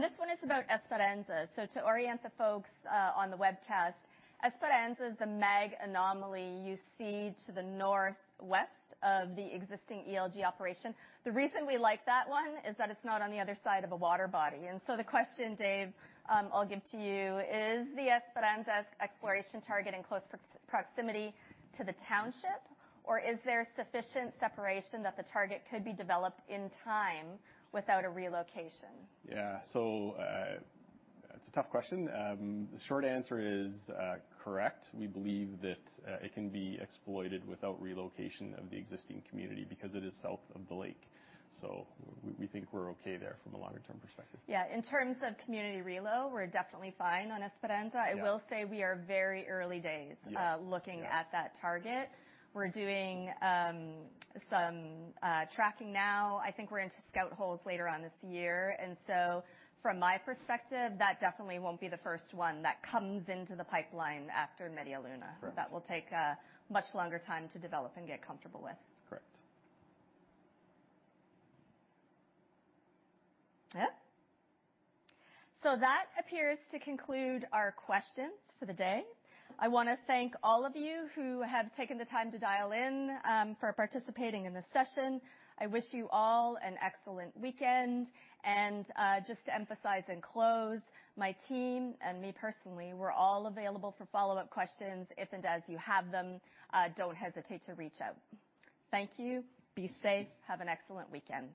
This one is about Esperanza. To orient the folks on the webcast, Esperanza is the mag anomaly you see to the northwest of the existing ELG operation. The reason we like that one is that it's not on the other side of a water body. The question, Dave, I'll give to you, is the Esperanza exploration target in close proximity to the township, or is there sufficient separation that the target could be developed in time without a relocation? Yeah. It's a tough question. The short answer is correct. We believe that it can be exploited without relocation of the existing community because it is south of the lake. We think we're okay there from a longer term perspective. Yeah. In terms of community relo, we're definitely fine on Esperanza. Yeah. I will say we are very early days. Yes, yes. Looking at that target. We're doing some tracking now. I think we're into scout holes later on this year. From my perspective, that definitely won't be the first one that comes into the pipeline after Media Luna. Correct. That will take a much longer time to develop and get comfortable with. Correct. Yeah. That appears to conclude our questions for the day. I wanna thank all of you who have taken the time to dial in for participating in this session. I wish you all an excellent weekend. Just to emphasize and close, my team and me personally, we're all available for follow-up questions if and as you have them, don't hesitate to reach out. Thank you. Be safe. Have an excellent weekend.